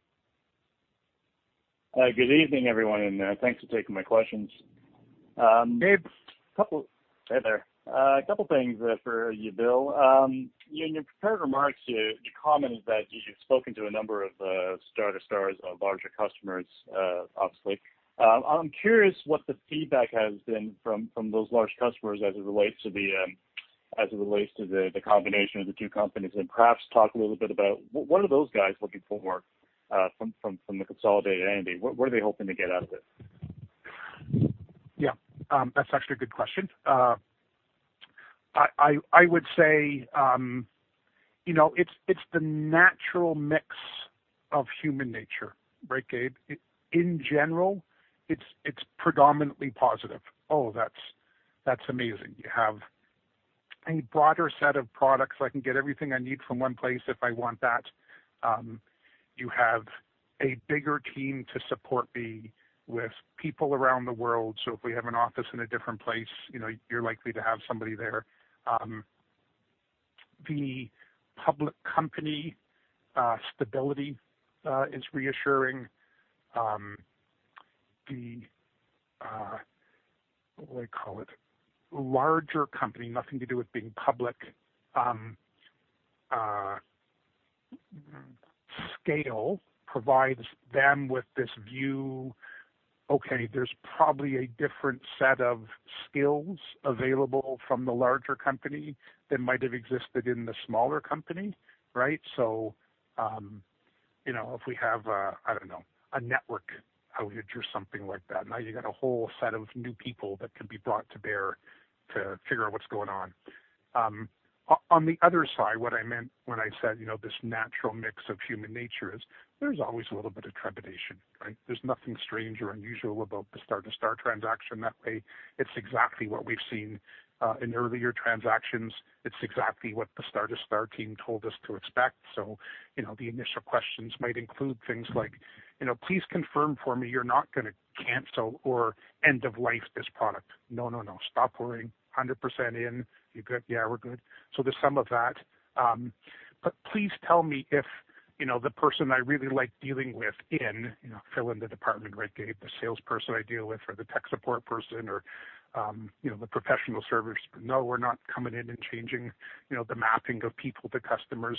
Good evening, everyone, and thanks for taking my questions. Gabe. Hey there. A couple of things for you, Bill. In your prepared remarks, you commented that you've spoken to a number of Star2Star's larger customers, obviously. I'm curious what the feedback has been from those large customers as it relates to the combination of the two companies. Perhaps talk a little bit about what are those guys looking for more from the consolidated entity? What are they hoping to get out of it? Yeah. That's actually a good question. I would say it's the natural mix of human nature, right, Gabe? In general, it's predominantly positive. Oh, that's amazing. You have a broader set of products. I can get everything I need from one place if I want that. You have a bigger team to support me with people around the world, so if we have an office in a different place, you're likely to have somebody there. The public company stability is reassuring. The, what would I call it? Larger company, nothing to do with being public. Scale provides them with this view, okay, there's probably a different set of skills available from the larger company than might have existed in the smaller company, right? If we have a, I don't know, a network outage or something like that, now you've got a whole set of new people that can be brought to bear to figure out what's going on. On the other side, what I meant when I said this natural mix of human nature is there's always a little bit of trepidation, right? There's nothing strange or unusual about the Star2Star transaction in that way. It's exactly what we've seen in earlier transactions. It's exactly what the Star2Star team told us to expect. The initial questions might include things like, Please confirm for me you're not going to cancel or end of life this product. No, stop worrying. 100% in. You're good. Yeah, we're good. There's some of that. Please tell me if the person I really like dealing with in, fill in the department, right, Gabe? The salesperson I deal with or the tech support person or the professional services. We're not coming in and changing the mapping of people to customers.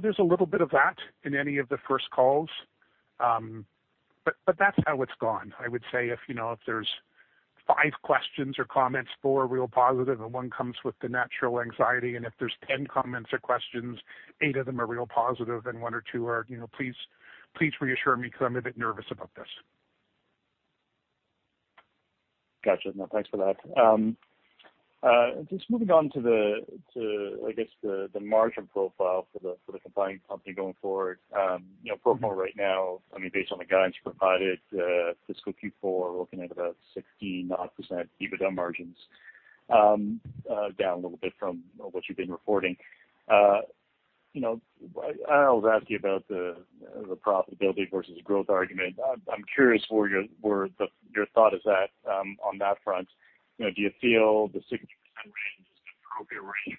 There's a little bit of that in any of the first calls. That's how it's gone. I would say if there's five questions or comments, four are real positive, and one comes with the natural anxiety. If there's 10 comments or questions, eight of them are real positive, and one or two are, Please reassure me because I'm a bit nervous about this. Gotcha. Thanks for that. Just moving on to the margin profile for the combined company going forward. Pro forma right now, based on the guidance provided, fiscal Q4, we're looking at about 16% EBITDA margins, down a little bit from what you've been reporting. I always ask you about the profitability versus growth argument. I'm curious where your thought is at on that front. Do you feel the 16% range is appropriate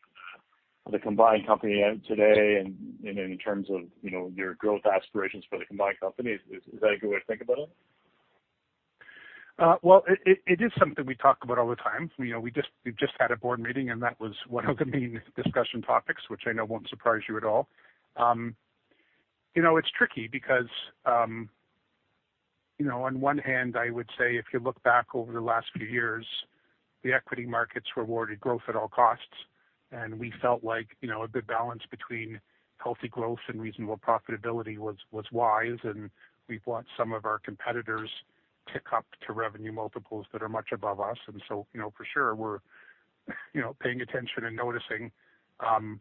for the combined company today and in terms of your growth aspirations for the combined company? Is that a good way to think about it? Well, it is something we talk about all the time. We just had a board meeting, and that was one of the main discussion topics, which I know won't surprise you at all. It's tricky because on one hand, I would say if you look back over the last few years, the equity markets rewarded growth at all costs. We felt like a good balance between healthy growth and reasonable profitability was wise, and we've watched some of our competitors tick up to revenue multiples that are much above us. For sure, we're paying attention and noticing. On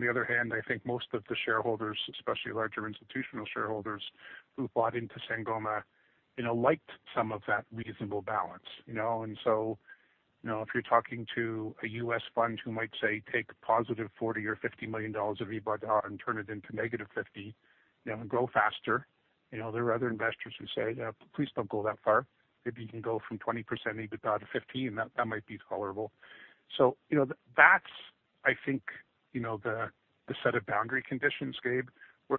the other hand, I think most of the shareholders, especially larger institutional shareholders who bought into Sangoma, liked some of that reasonable balance. If you're talking to a U.S. fund who might say take a positive 40 million or 50 million dollars of EBITDA and turn it into negative 50 million and go faster, there are other investors who say, Please don't go that far. If you can go from 20% EBITDA to 15%, that might be tolerable. That's the set of boundary conditions, Gabe.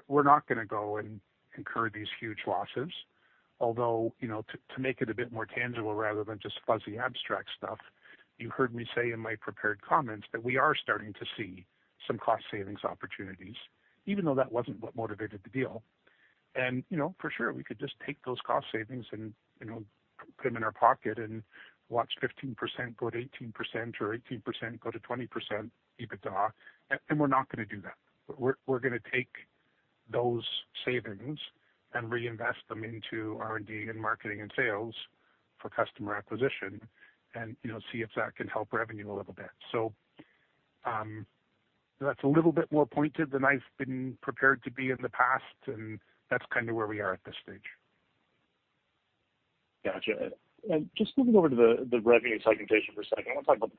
We're not going to go and incur these huge losses, although, to make it a bit more tangible rather than just fuzzy abstract stuff, you heard me say in my prepared comments that we are starting to see some cost savings opportunities, even though that wasn't what motivated the deal. For sure, we could just take those cost savings and put them in our pocket and watch 15% go to 18% or 18% go to 20% EBITDA, and we're not going to do that. We're going to take those savings and reinvest them into R&D and marketing and sales for customer acquisition and see if that can help revenue a little bit. That's a little bit more pointed than I've been prepared to be in the past, and that's kind of where we are at this stage. Got you. Just moving over to the revenue segmentation for a second. Let's talk about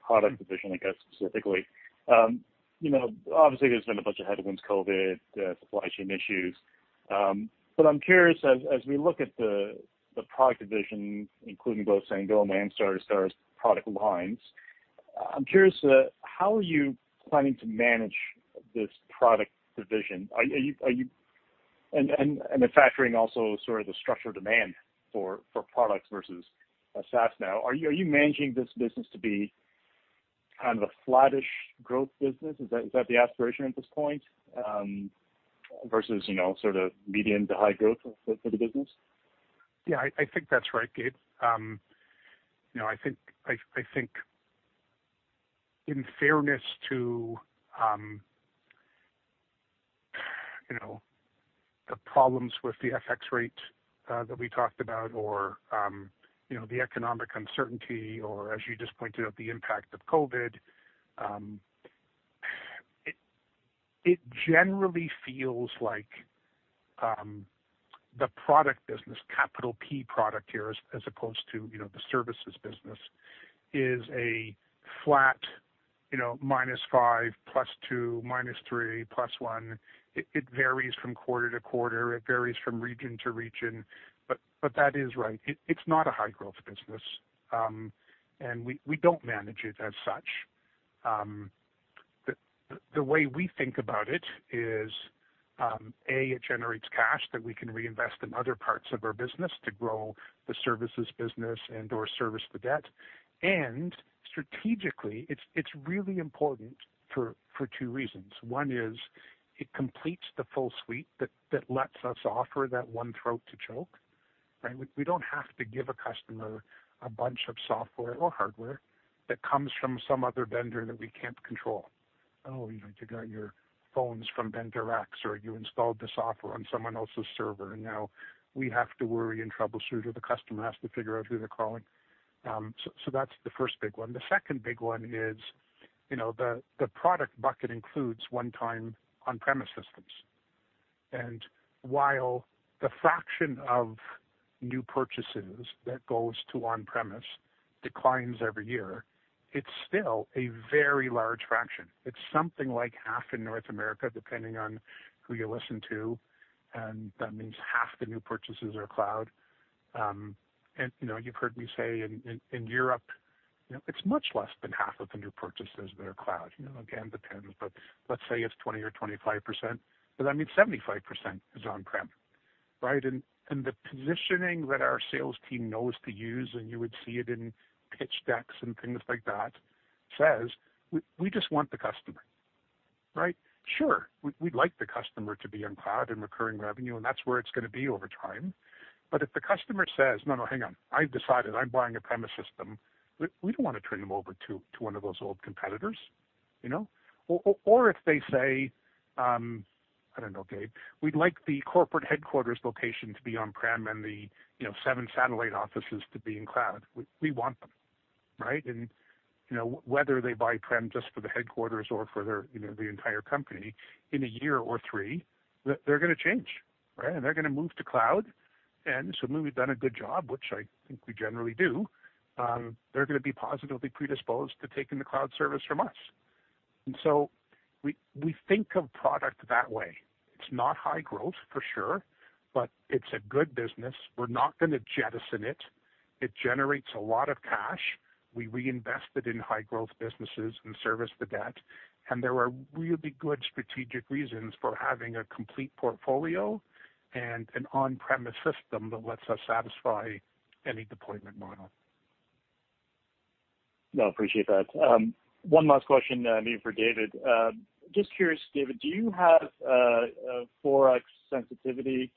product division specifically. Obviously, there's been a bunch of headwinds, COVID, supply chain issues. I'm curious, as we look at the product division, including both Sangoma and Star2Star's product lines, I'm curious how are you planning to manage this product division? Factoring also sort of the structural demand for products versus SaaS now. Are you managing this business to be kind of a flattish growth business? Is that the aspiration at this point versus sort of medium to high growth for the business? Yeah, I think that's right, Gabe. I think in fairness to the problems with the FX rate that we talked about or the economic uncertainty or as you just pointed out, the impact of COVID, it generally feels like the product business, capital P product here, as opposed to the services business, is a flat minus five, plus two, minus three, plus one. It varies from quarter to quarter. It varies from region to region. That is right. It's not a high-growth business. We don't manage it as such. The way we think about it is, A, it generates cash that we can reinvest in other parts of our business to grow the services business and/or service the debt. Strategically, it's really important for two reasons. One is it completes the full suite that lets us offer that one throat to choke, right? We don't have to give a customer a bunch of software or hardware that comes from some other vendor that we can't control. You got your phones from vendor X, or you installed the software on someone else's server, and now we have to worry and troubleshoot, or the customer has to figure out who they're calling. That's the first big one. The second big one is the product bucket includes one-time on-premise systems. While the fraction of new purchases that goes to on-premise declines every year, it's still a very large fraction. It's something like half in North America, depending on who you listen to, and that means half the new purchases are cloud. You've heard me say in Europe, it's much less than half of the new purchases that are cloud. Again, depends, let's say it's 20% or 25%, but that means 75% is on-prem. Right. The positioning that our sales team knows to use, and you would see it in pitch decks and things like that, says we just want the customer. Right? Sure, we'd like the customer to be on cloud and recurring revenue, and that's where it's going to be over time. If the customer says, "No, hang on, I've decided I'm buying a premise system," we don't want to turn them over to one of those old competitors. If they say, I don't know, Gabe, we'd like the corporate headquarters location to be on-prem and the seven satellite offices to be in cloud. We want them, right? Whether they buy prem just for the headquarters or for the entire company in a year or three, they're going to change, right? They're going to move to cloud. Assuming we've done a good job, which I think we generally do, they're going to be positively predisposed to taking the cloud service from us. We think of product that way. It's not high growth, for sure, but it's a good business. We're not going to jettison it. It generates a lot of cash. We reinvest it in high growth businesses and service the debt. There are really good strategic reasons for having a complete portfolio and an on-premise system that lets us satisfy any deployment model. No, I appreciate that. One last question I need for David. Just curious, David, do you have a forex sensitivity,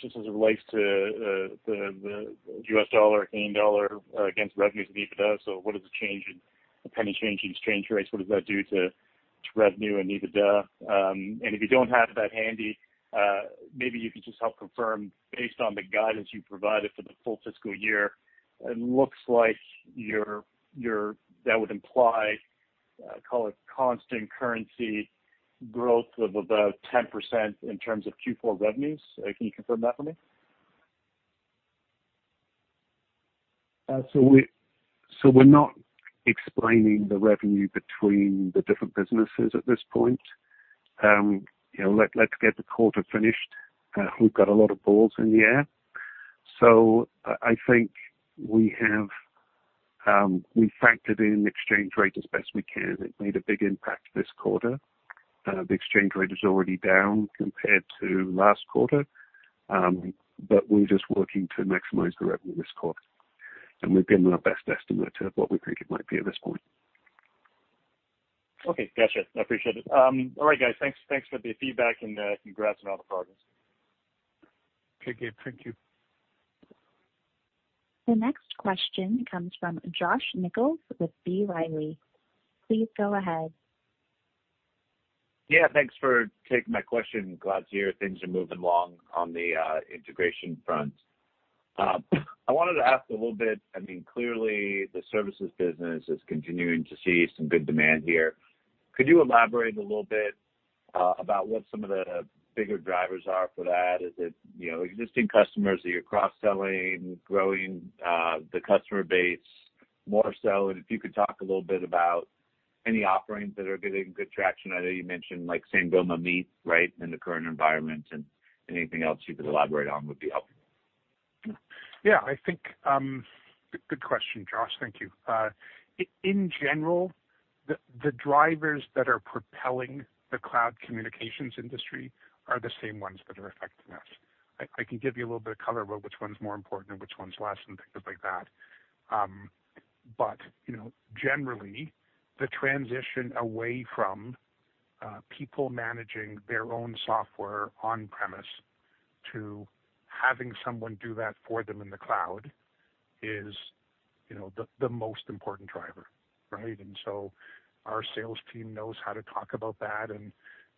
just as it relates to the U.S. dollar and dollar against revenues of EBITDA? What does the change in currency, change in exchange rates, what does that do to revenue and EBITDA? If you don't have that handy, maybe you could just help confirm based on the guidance you provided for the full fiscal year, it looks like that would imply, call it constant currency growth of about 10% in terms of Q4 revenues. Can you confirm that for me? We're not explaining the revenue between the different businesses at this point. Let's get the quarter finished. We've got a lot of balls in the air. We factored in exchange rate as best we can. It made a big impact this quarter. The exchange rate is already down compared to last quarter, but we're just working to maximize the revenue this quarter, and we've given our best estimate of what we think it might be at this point. Okay, got you. I appreciate it. All right, guys, thanks for the feedback and congrats on all the progress. Okay, thank you. The next question comes from Josh Nichols with B. Riley. Please go ahead. Yeah, thanks for taking my question. Glad to hear things are moving along on the integration front. I wanted to ask a little bit, clearly the services business is continuing to see some good demand here. Could you elaborate a little bit about what some of the bigger drivers are for that? Is it existing customers that you're cross-selling, growing the customer base more so? If you could talk a little bit about any offerings that are getting good traction. I know you mentioned Sangoma Meet right in the current environment, and anything else you could elaborate on would be helpful. Yeah, Good question, Josh. Thank you. In general, the drivers that are propelling the cloud communications industry are the same ones that are affecting us. I can give you a little bit of color about which one's more important and which one's less and things like that. Generally, the transition away from people managing their own software on-premise to having someone do that for them in the cloud is the most important driver, right? Our sales team knows how to talk about that and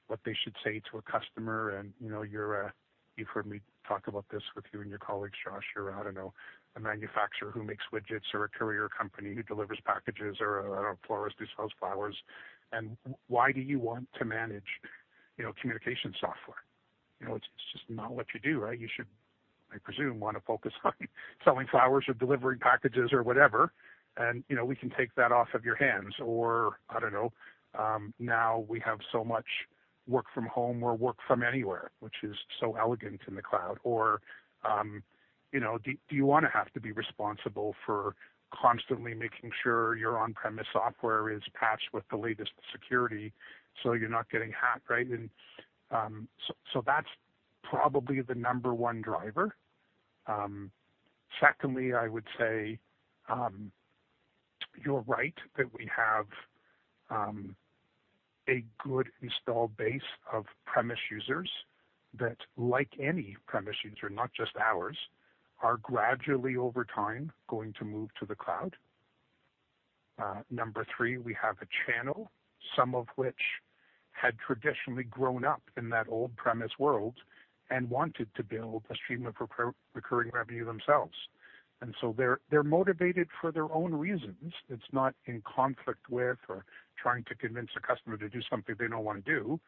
what they should say to a customer. You've heard me talk about this with you and your colleagues, Josh. You're, I don't know, a manufacturer who makes widgets, or a courier company who delivers packages, or a florist who sells flowers. Why do you want to manage communication software? It's just not what you do, right? You should, I presume, want to focus on selling flowers or delivering packages or whatever, and we can take that off of your hands. Now we have so much work from home or work from anywhere, which is so elegant in the cloud. Do you want to have to be responsible for constantly making sure your on-premise software is patched with the latest security so you're not getting hacked, right? That's probably the number one driver. Secondly, I would say you're right that we have a good install base of premise users that, like any premise user, not just ours, are gradually over time going to move to the cloud. Number three, we have a channel, some of which had traditionally grown up in that old premise world and wanted to build a stream of recurring revenue themselves. They're motivated for their own reasons. It's not in conflict with or trying to convince a customer to do something they don't want to do.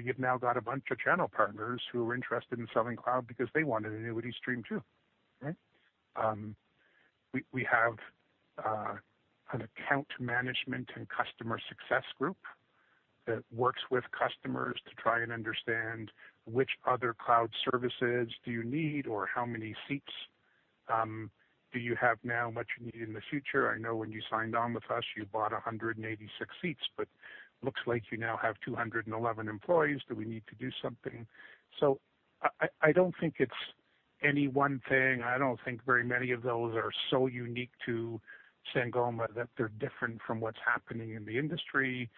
You've now got a bunch of channel partners who are interested in selling cloud because they want an annuity stream too, right? We have an account management and customer success group that works with customers to try and understand which other cloud services do you need or how many seats do you have now what you need in the future? I know when you signed on with us, you bought 186 seats, but looks like you now have 211 employees. Do we need to do something? I don't think it's any one thing. I don't think very many of those are so unique to Sangoma that they're different from what's happening in the industry.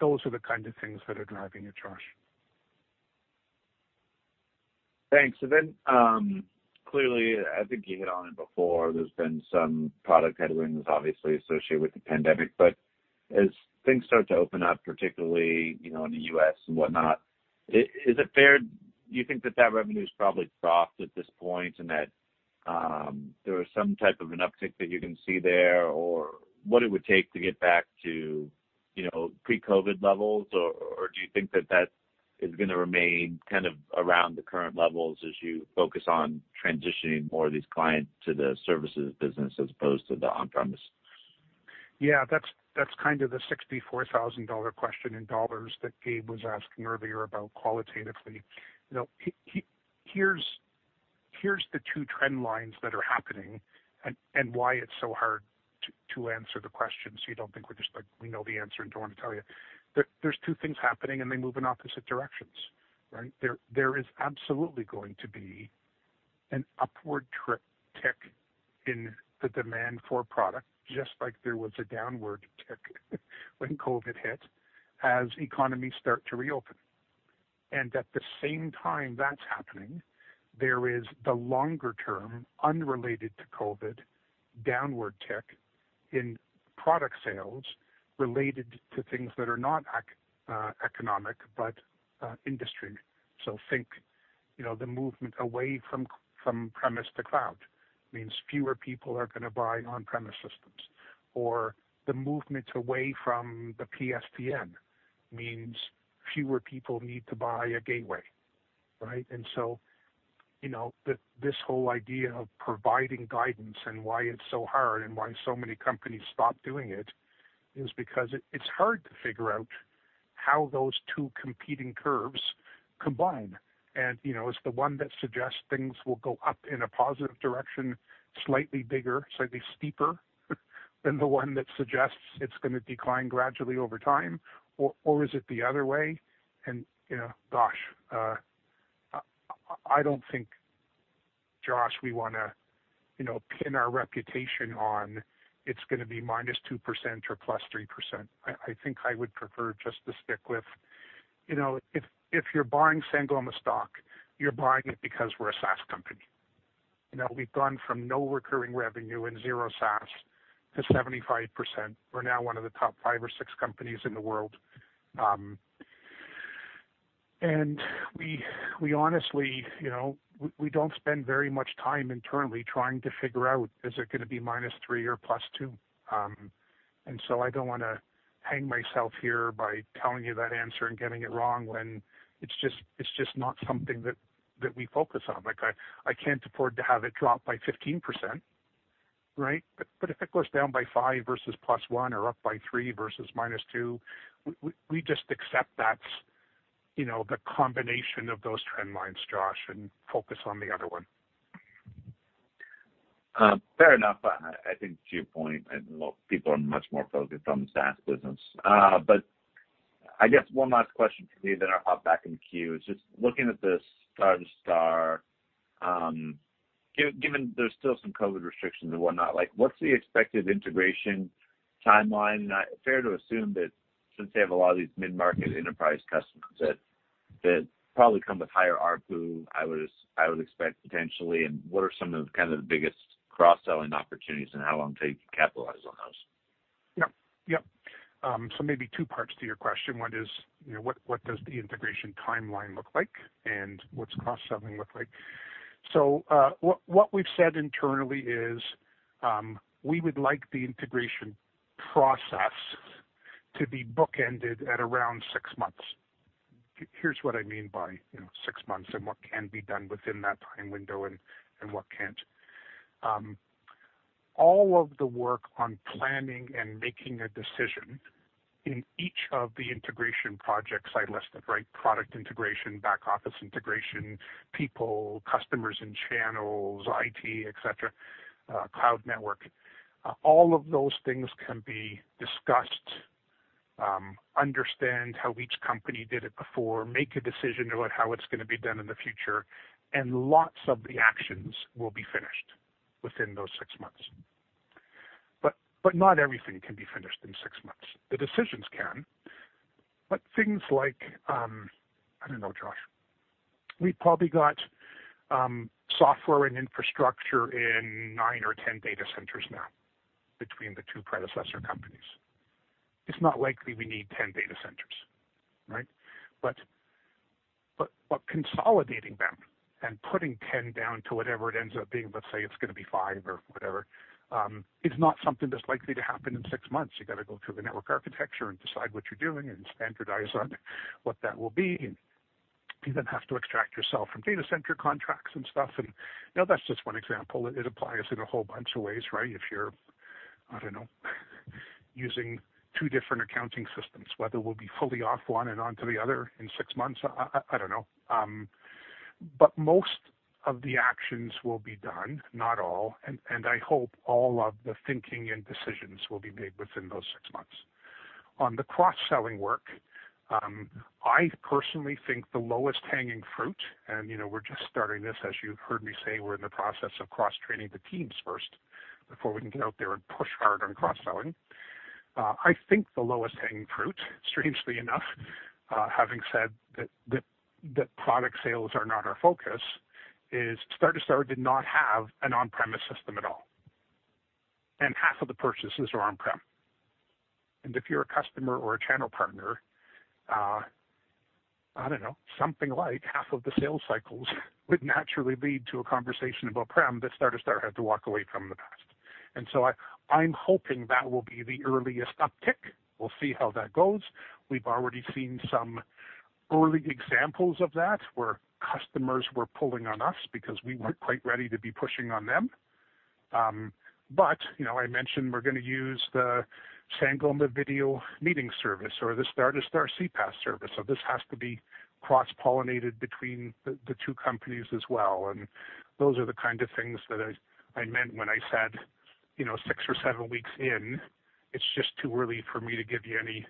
Those are the kinds of things that are driving it, Josh. Thanks. Clearly, I think you hit on it before, there's been some product headwinds obviously associated with the pandemic, but as things start to open up, particularly in the U.S. and whatnot, do you think that that revenue is probably trough at this point and that there is some type of an uptick that you can see there, or what it would take to get back to pre-COVID levels? Or do you think that that is going to remain around the current levels as you focus on transitioning more of these clients to the services business as opposed to the on-premise? Yeah, that's the $64,000 question in dollars that Gabe was asking earlier about qualitatively. Here's the two trend lines that are happening and why it's so hard to answer the question, you don't think we're just like, we know the answer and don't want to tell you. There's two things happening, they move in opposite directions, right? There is absolutely going to be an upward tick in the demand for product, just like there was a downward tick when COVID hit, economies start to reopen. At the same time that's happening, there is the longer-term, unrelated to COVID, downward tick in product sales related to things that are not economic but industry. Think the movement away from premise to cloud means fewer people are going to buy on-premise systems, or the movement away from the PSTN means fewer people need to buy a gateway, right? This whole idea of providing guidance and why it's so hard and why so many companies stop doing it is because it's hard to figure out how those two competing curves combine. Is the one that suggests things will go up in a positive direction slightly bigger, slightly steeper than the one that suggests it's going to decline gradually over time? Is it the other way? Josh, I don't think, Josh, we want to pin our reputation on it's going to be -2% or +3%. I would prefer just to stick with if you're buying Sangoma stock, you're buying it because we're a SaaS company. We've gone from no recurring revenue and zero SaaS to 75%. We're now one of the top five or six companies in the world. We honestly don't spend very much time internally trying to figure out is it going to be minus three or plus two. I don't want to hang myself here by telling you that answer and getting it wrong when it's just not something that we focus on. I can't afford to have it drop by 15%, right? If it goes down by five versus plus one or up by three versus minus two, we just accept that's the combination of those trend lines, Josh, and focus on the other one. Fair enough. I think to your point, people are much more focused on the SaaS business. One last question for you then I'll hop back in the queue is just looking at the Star2Star, given there's still some COVID restrictions and whatnot, what's the expected integration timeline? Fair to assume that since they have a lot of these mid-market enterprise customers that probably come with higher ARPU, I would expect potentially, and what are some of the biggest cross-selling opportunities and how long until you capitalize on those? Yep. Maybe two parts to your question. One is, what does the integration timeline look like, and what's cross-selling look like? What we've said internally is we would like the integration process to be bookended at around six months. Here's what I mean by six months and what can be done within that time window and what can't. All of the work on planning and making a decision in each of the integration projects I listed, right, product integration, back office integration, people, customers and channels, IT, et cetera, cloud network. All of those things can be discussed, understand how each company did it before, make a decision about how it's going to be done in the future, and lots of the actions will be finished within those six months. Not everything can be finished in six months. The decisions can, but things like, I don't know, Josh, we've probably got software and infrastructure in nine or 10 data centers now between the two predecessor companies. It's not likely we need 10 data centers, right? Consolidating them and putting 10 down to whatever it ends up being, let's say it's going to be five or whatever, is not something that's likely to happen in six months. You've got to go through the network architecture and decide what you're doing and standardize on what that will be. You then have to extract yourself from data center contracts and stuff. That's just one example. It applies in a whole bunch of ways, right? If you're, using two different accounting systems. Whether we'll be fully off one and onto the other in six months. Most of the actions will be done, not all, and I hope all of the thinking and decisions will be made within those six months. On the cross-selling work, I personally think the lowest hanging fruit, and we're just starting this, as you've heard me say, we're in the process of cross-training the teams first before we can get out there and push hard on cross-selling. I think the lowest hanging fruit, strangely enough, having said that product sales are not our focus, is Star2Star did not have an on-premise system at all, and half of the purchases are on-prem. If you're a customer or a channel partner, I don't know, something like half of the sales cycles would naturally lead to a conversation of on-prem that Star2Star had to walk away from in the past. I'm hoping that will be the earliest uptick. We'll see how that goes. We've already seen some early examples of that where customers were pulling on us because we weren't quite ready to be pushing on them. I mentioned we're going to use the Sangoma video meeting service or the Star2Star CPaaS service, so this has to be cross-pollinated between the two companies as well. Those are the kind of things that I meant when I said six or seven weeks in, it's just too early for me to give you any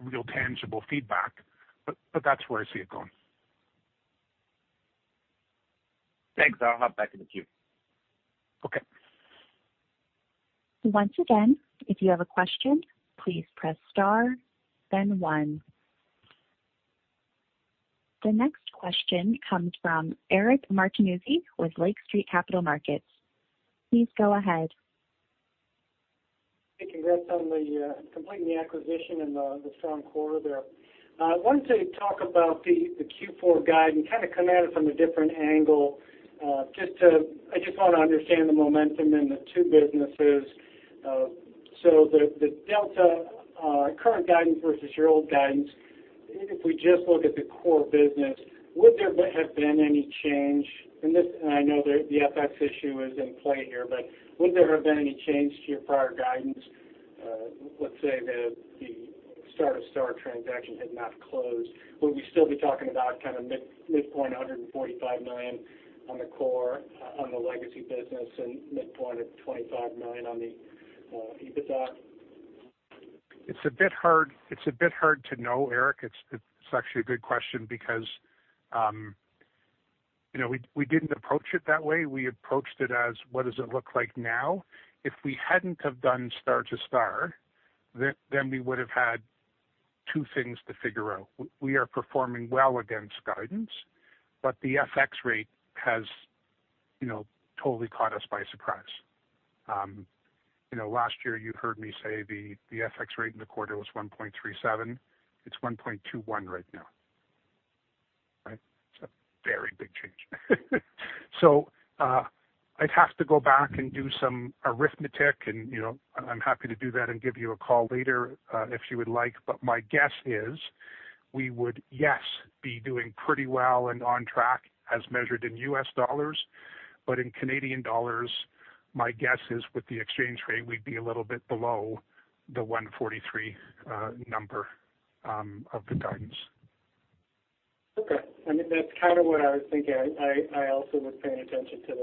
real tangible feedback. That's where I see it going. Thanks. I'll hop back in queue. Okay. Once again, if you have a question, please press star, then one. The next question comes from Eric Martinuzzi with Lake Street Capital Markets. Please go ahead. Thank you. Congrats on completing the acquisition and the strong quarter there. I wanted to talk about the Q4 guide and kind of come at it from a different angle. I just want to understand the momentum in the two businesses. The delta current guidance versus your old guidance, if we just look at the core business, would there have been any change, and I know the FX issue is in play here, but would there have been any change to your prior guidance, let's say the Star2Star transaction had not closed? Would we still be talking about midpoint 145 million on the core, on the legacy business, and midpoint of 25 million on the EBITDA? It's a bit hard to know, Eric. It's actually a good question because we didn't approach it that way. We approached it as what does it look like now? If we hadn't have done Star2Star, then we would have had two things to figure out. We are performing well against guidance. The FX rate has totally caught us by surprise. Last year you heard me say the FX rate in the quarter was 1.37%. It's 1.21% right now. It's a very big change. I'd have to go back and do some arithmetic, and I'm happy to do that and give you a call later if you would like. My guess is we would, yes, be doing pretty well and on track as measured in US dollars, but in Canadian dollars, my guess is with the exchange rate, we'd be a little bit below the 143 number of the guidance. Okay. That's kind of what I was thinking. I also was paying attention to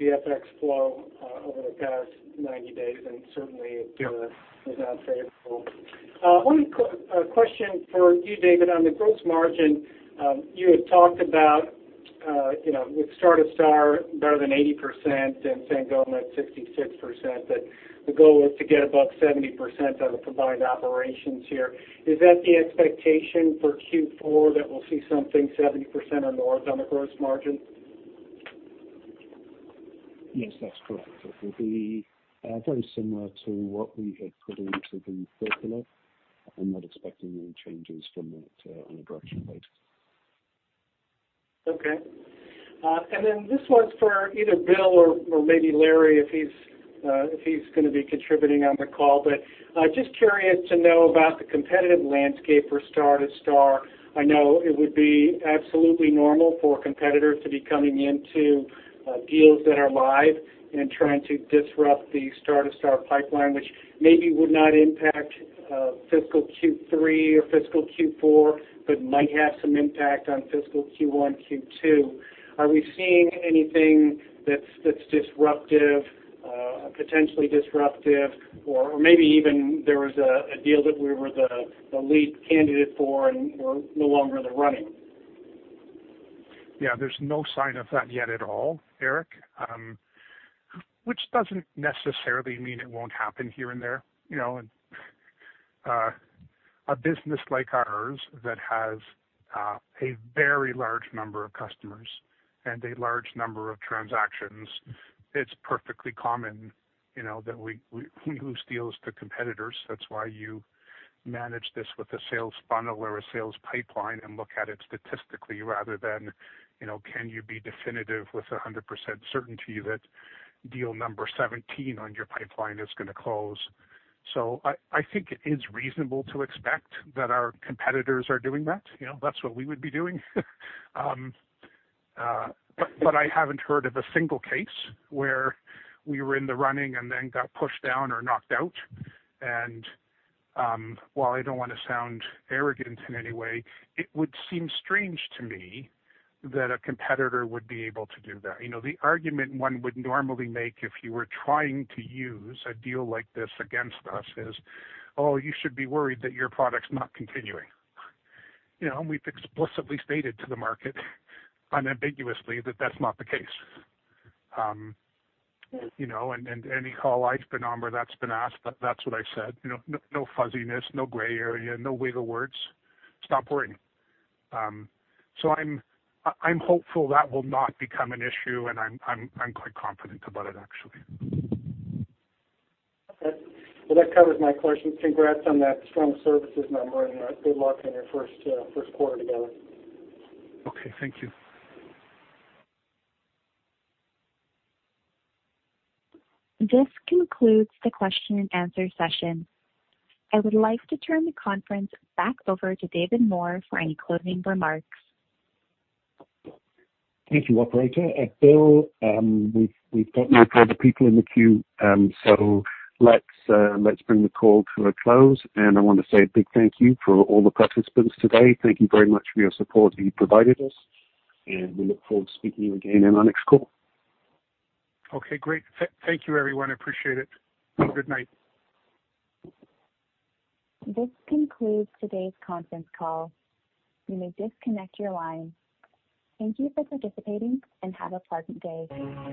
the FX flow over the past 90 days, and certainly it was not favorable. One question for you, David, on the gross margin. You had talked about with Star2Star better than 80% and Sangoma at 66%, but the goal is to get above 70% out of combined operations here. Is that the expectation for Q4, that we'll see something 70% or north on the gross margin? Yes, that's correct. It will be very similar to what we had put into the circular. I'm not expecting any changes from that on a go-forward basis. Okay. This one's for either Bill or maybe Larry if he's going to be contributing on the call, but just curious to know about the competitive landscape for Star2Star. I know it would be absolutely normal for competitors to be coming into deals that are live and trying to disrupt the Star2Star pipeline, which maybe would not impact fiscal Q3 or fiscal Q4, but might have some impact on fiscal Q1, Q2. Are we seeing anything that's disruptive, potentially disruptive, or maybe even there was a deal that we were the lead candidate for and we're no longer in the running? Yeah, there's no sign of that yet at all, Eric. It doesn't necessarily mean it won't happen here and there. A business like ours that has a very large number of customers and a large number of transactions, it's perfectly common that we lose deals to competitors. That's why you manage this with a sales funnel or a sales pipeline and look at it statistically rather than can you be definitive with 100% certainty that deal number 17 on your pipeline is going to close. I think it is reasonable to expect that our competitors are doing that. That's what we would be doing. I haven't heard of a single case where we were in the running and then got pushed down or knocked out. While I don't want to sound arrogant in any way, it would seem strange to me that a competitor would be able to do that. The argument one would normally make if you were trying to use a deal like this against us is, Oh, you should be worried that your product's not continuing. We've explicitly stated to the market unambiguously that that's not the case. Any call I've been on where that's been asked, that's what I said. No fuzziness, no gray area, no wiggle words. Stop worrying. I'm hopeful that will not become an issue, and I'm quite confident about it, actually. Okay. Well, that covers my questions. Congrats on that strong services number. Good luck on your first quarter together. Okay, thank you. This concludes the question and answer session. I would like to turn the conference back over to David Moore for any closing remarks. Thank you, operator. Bill, we've got no further people in the queue, so let's bring the call to a close. I want to say a big thank you for all the participants today. Thank you very much for your support that you provided us, and we look forward to speaking with you again in our next call. Okay, great. Thank you everyone, I appreciate it. Have a good night. This concludes today's conference call. You may disconnect your lines. Thank you for participating, and have a pleasant day.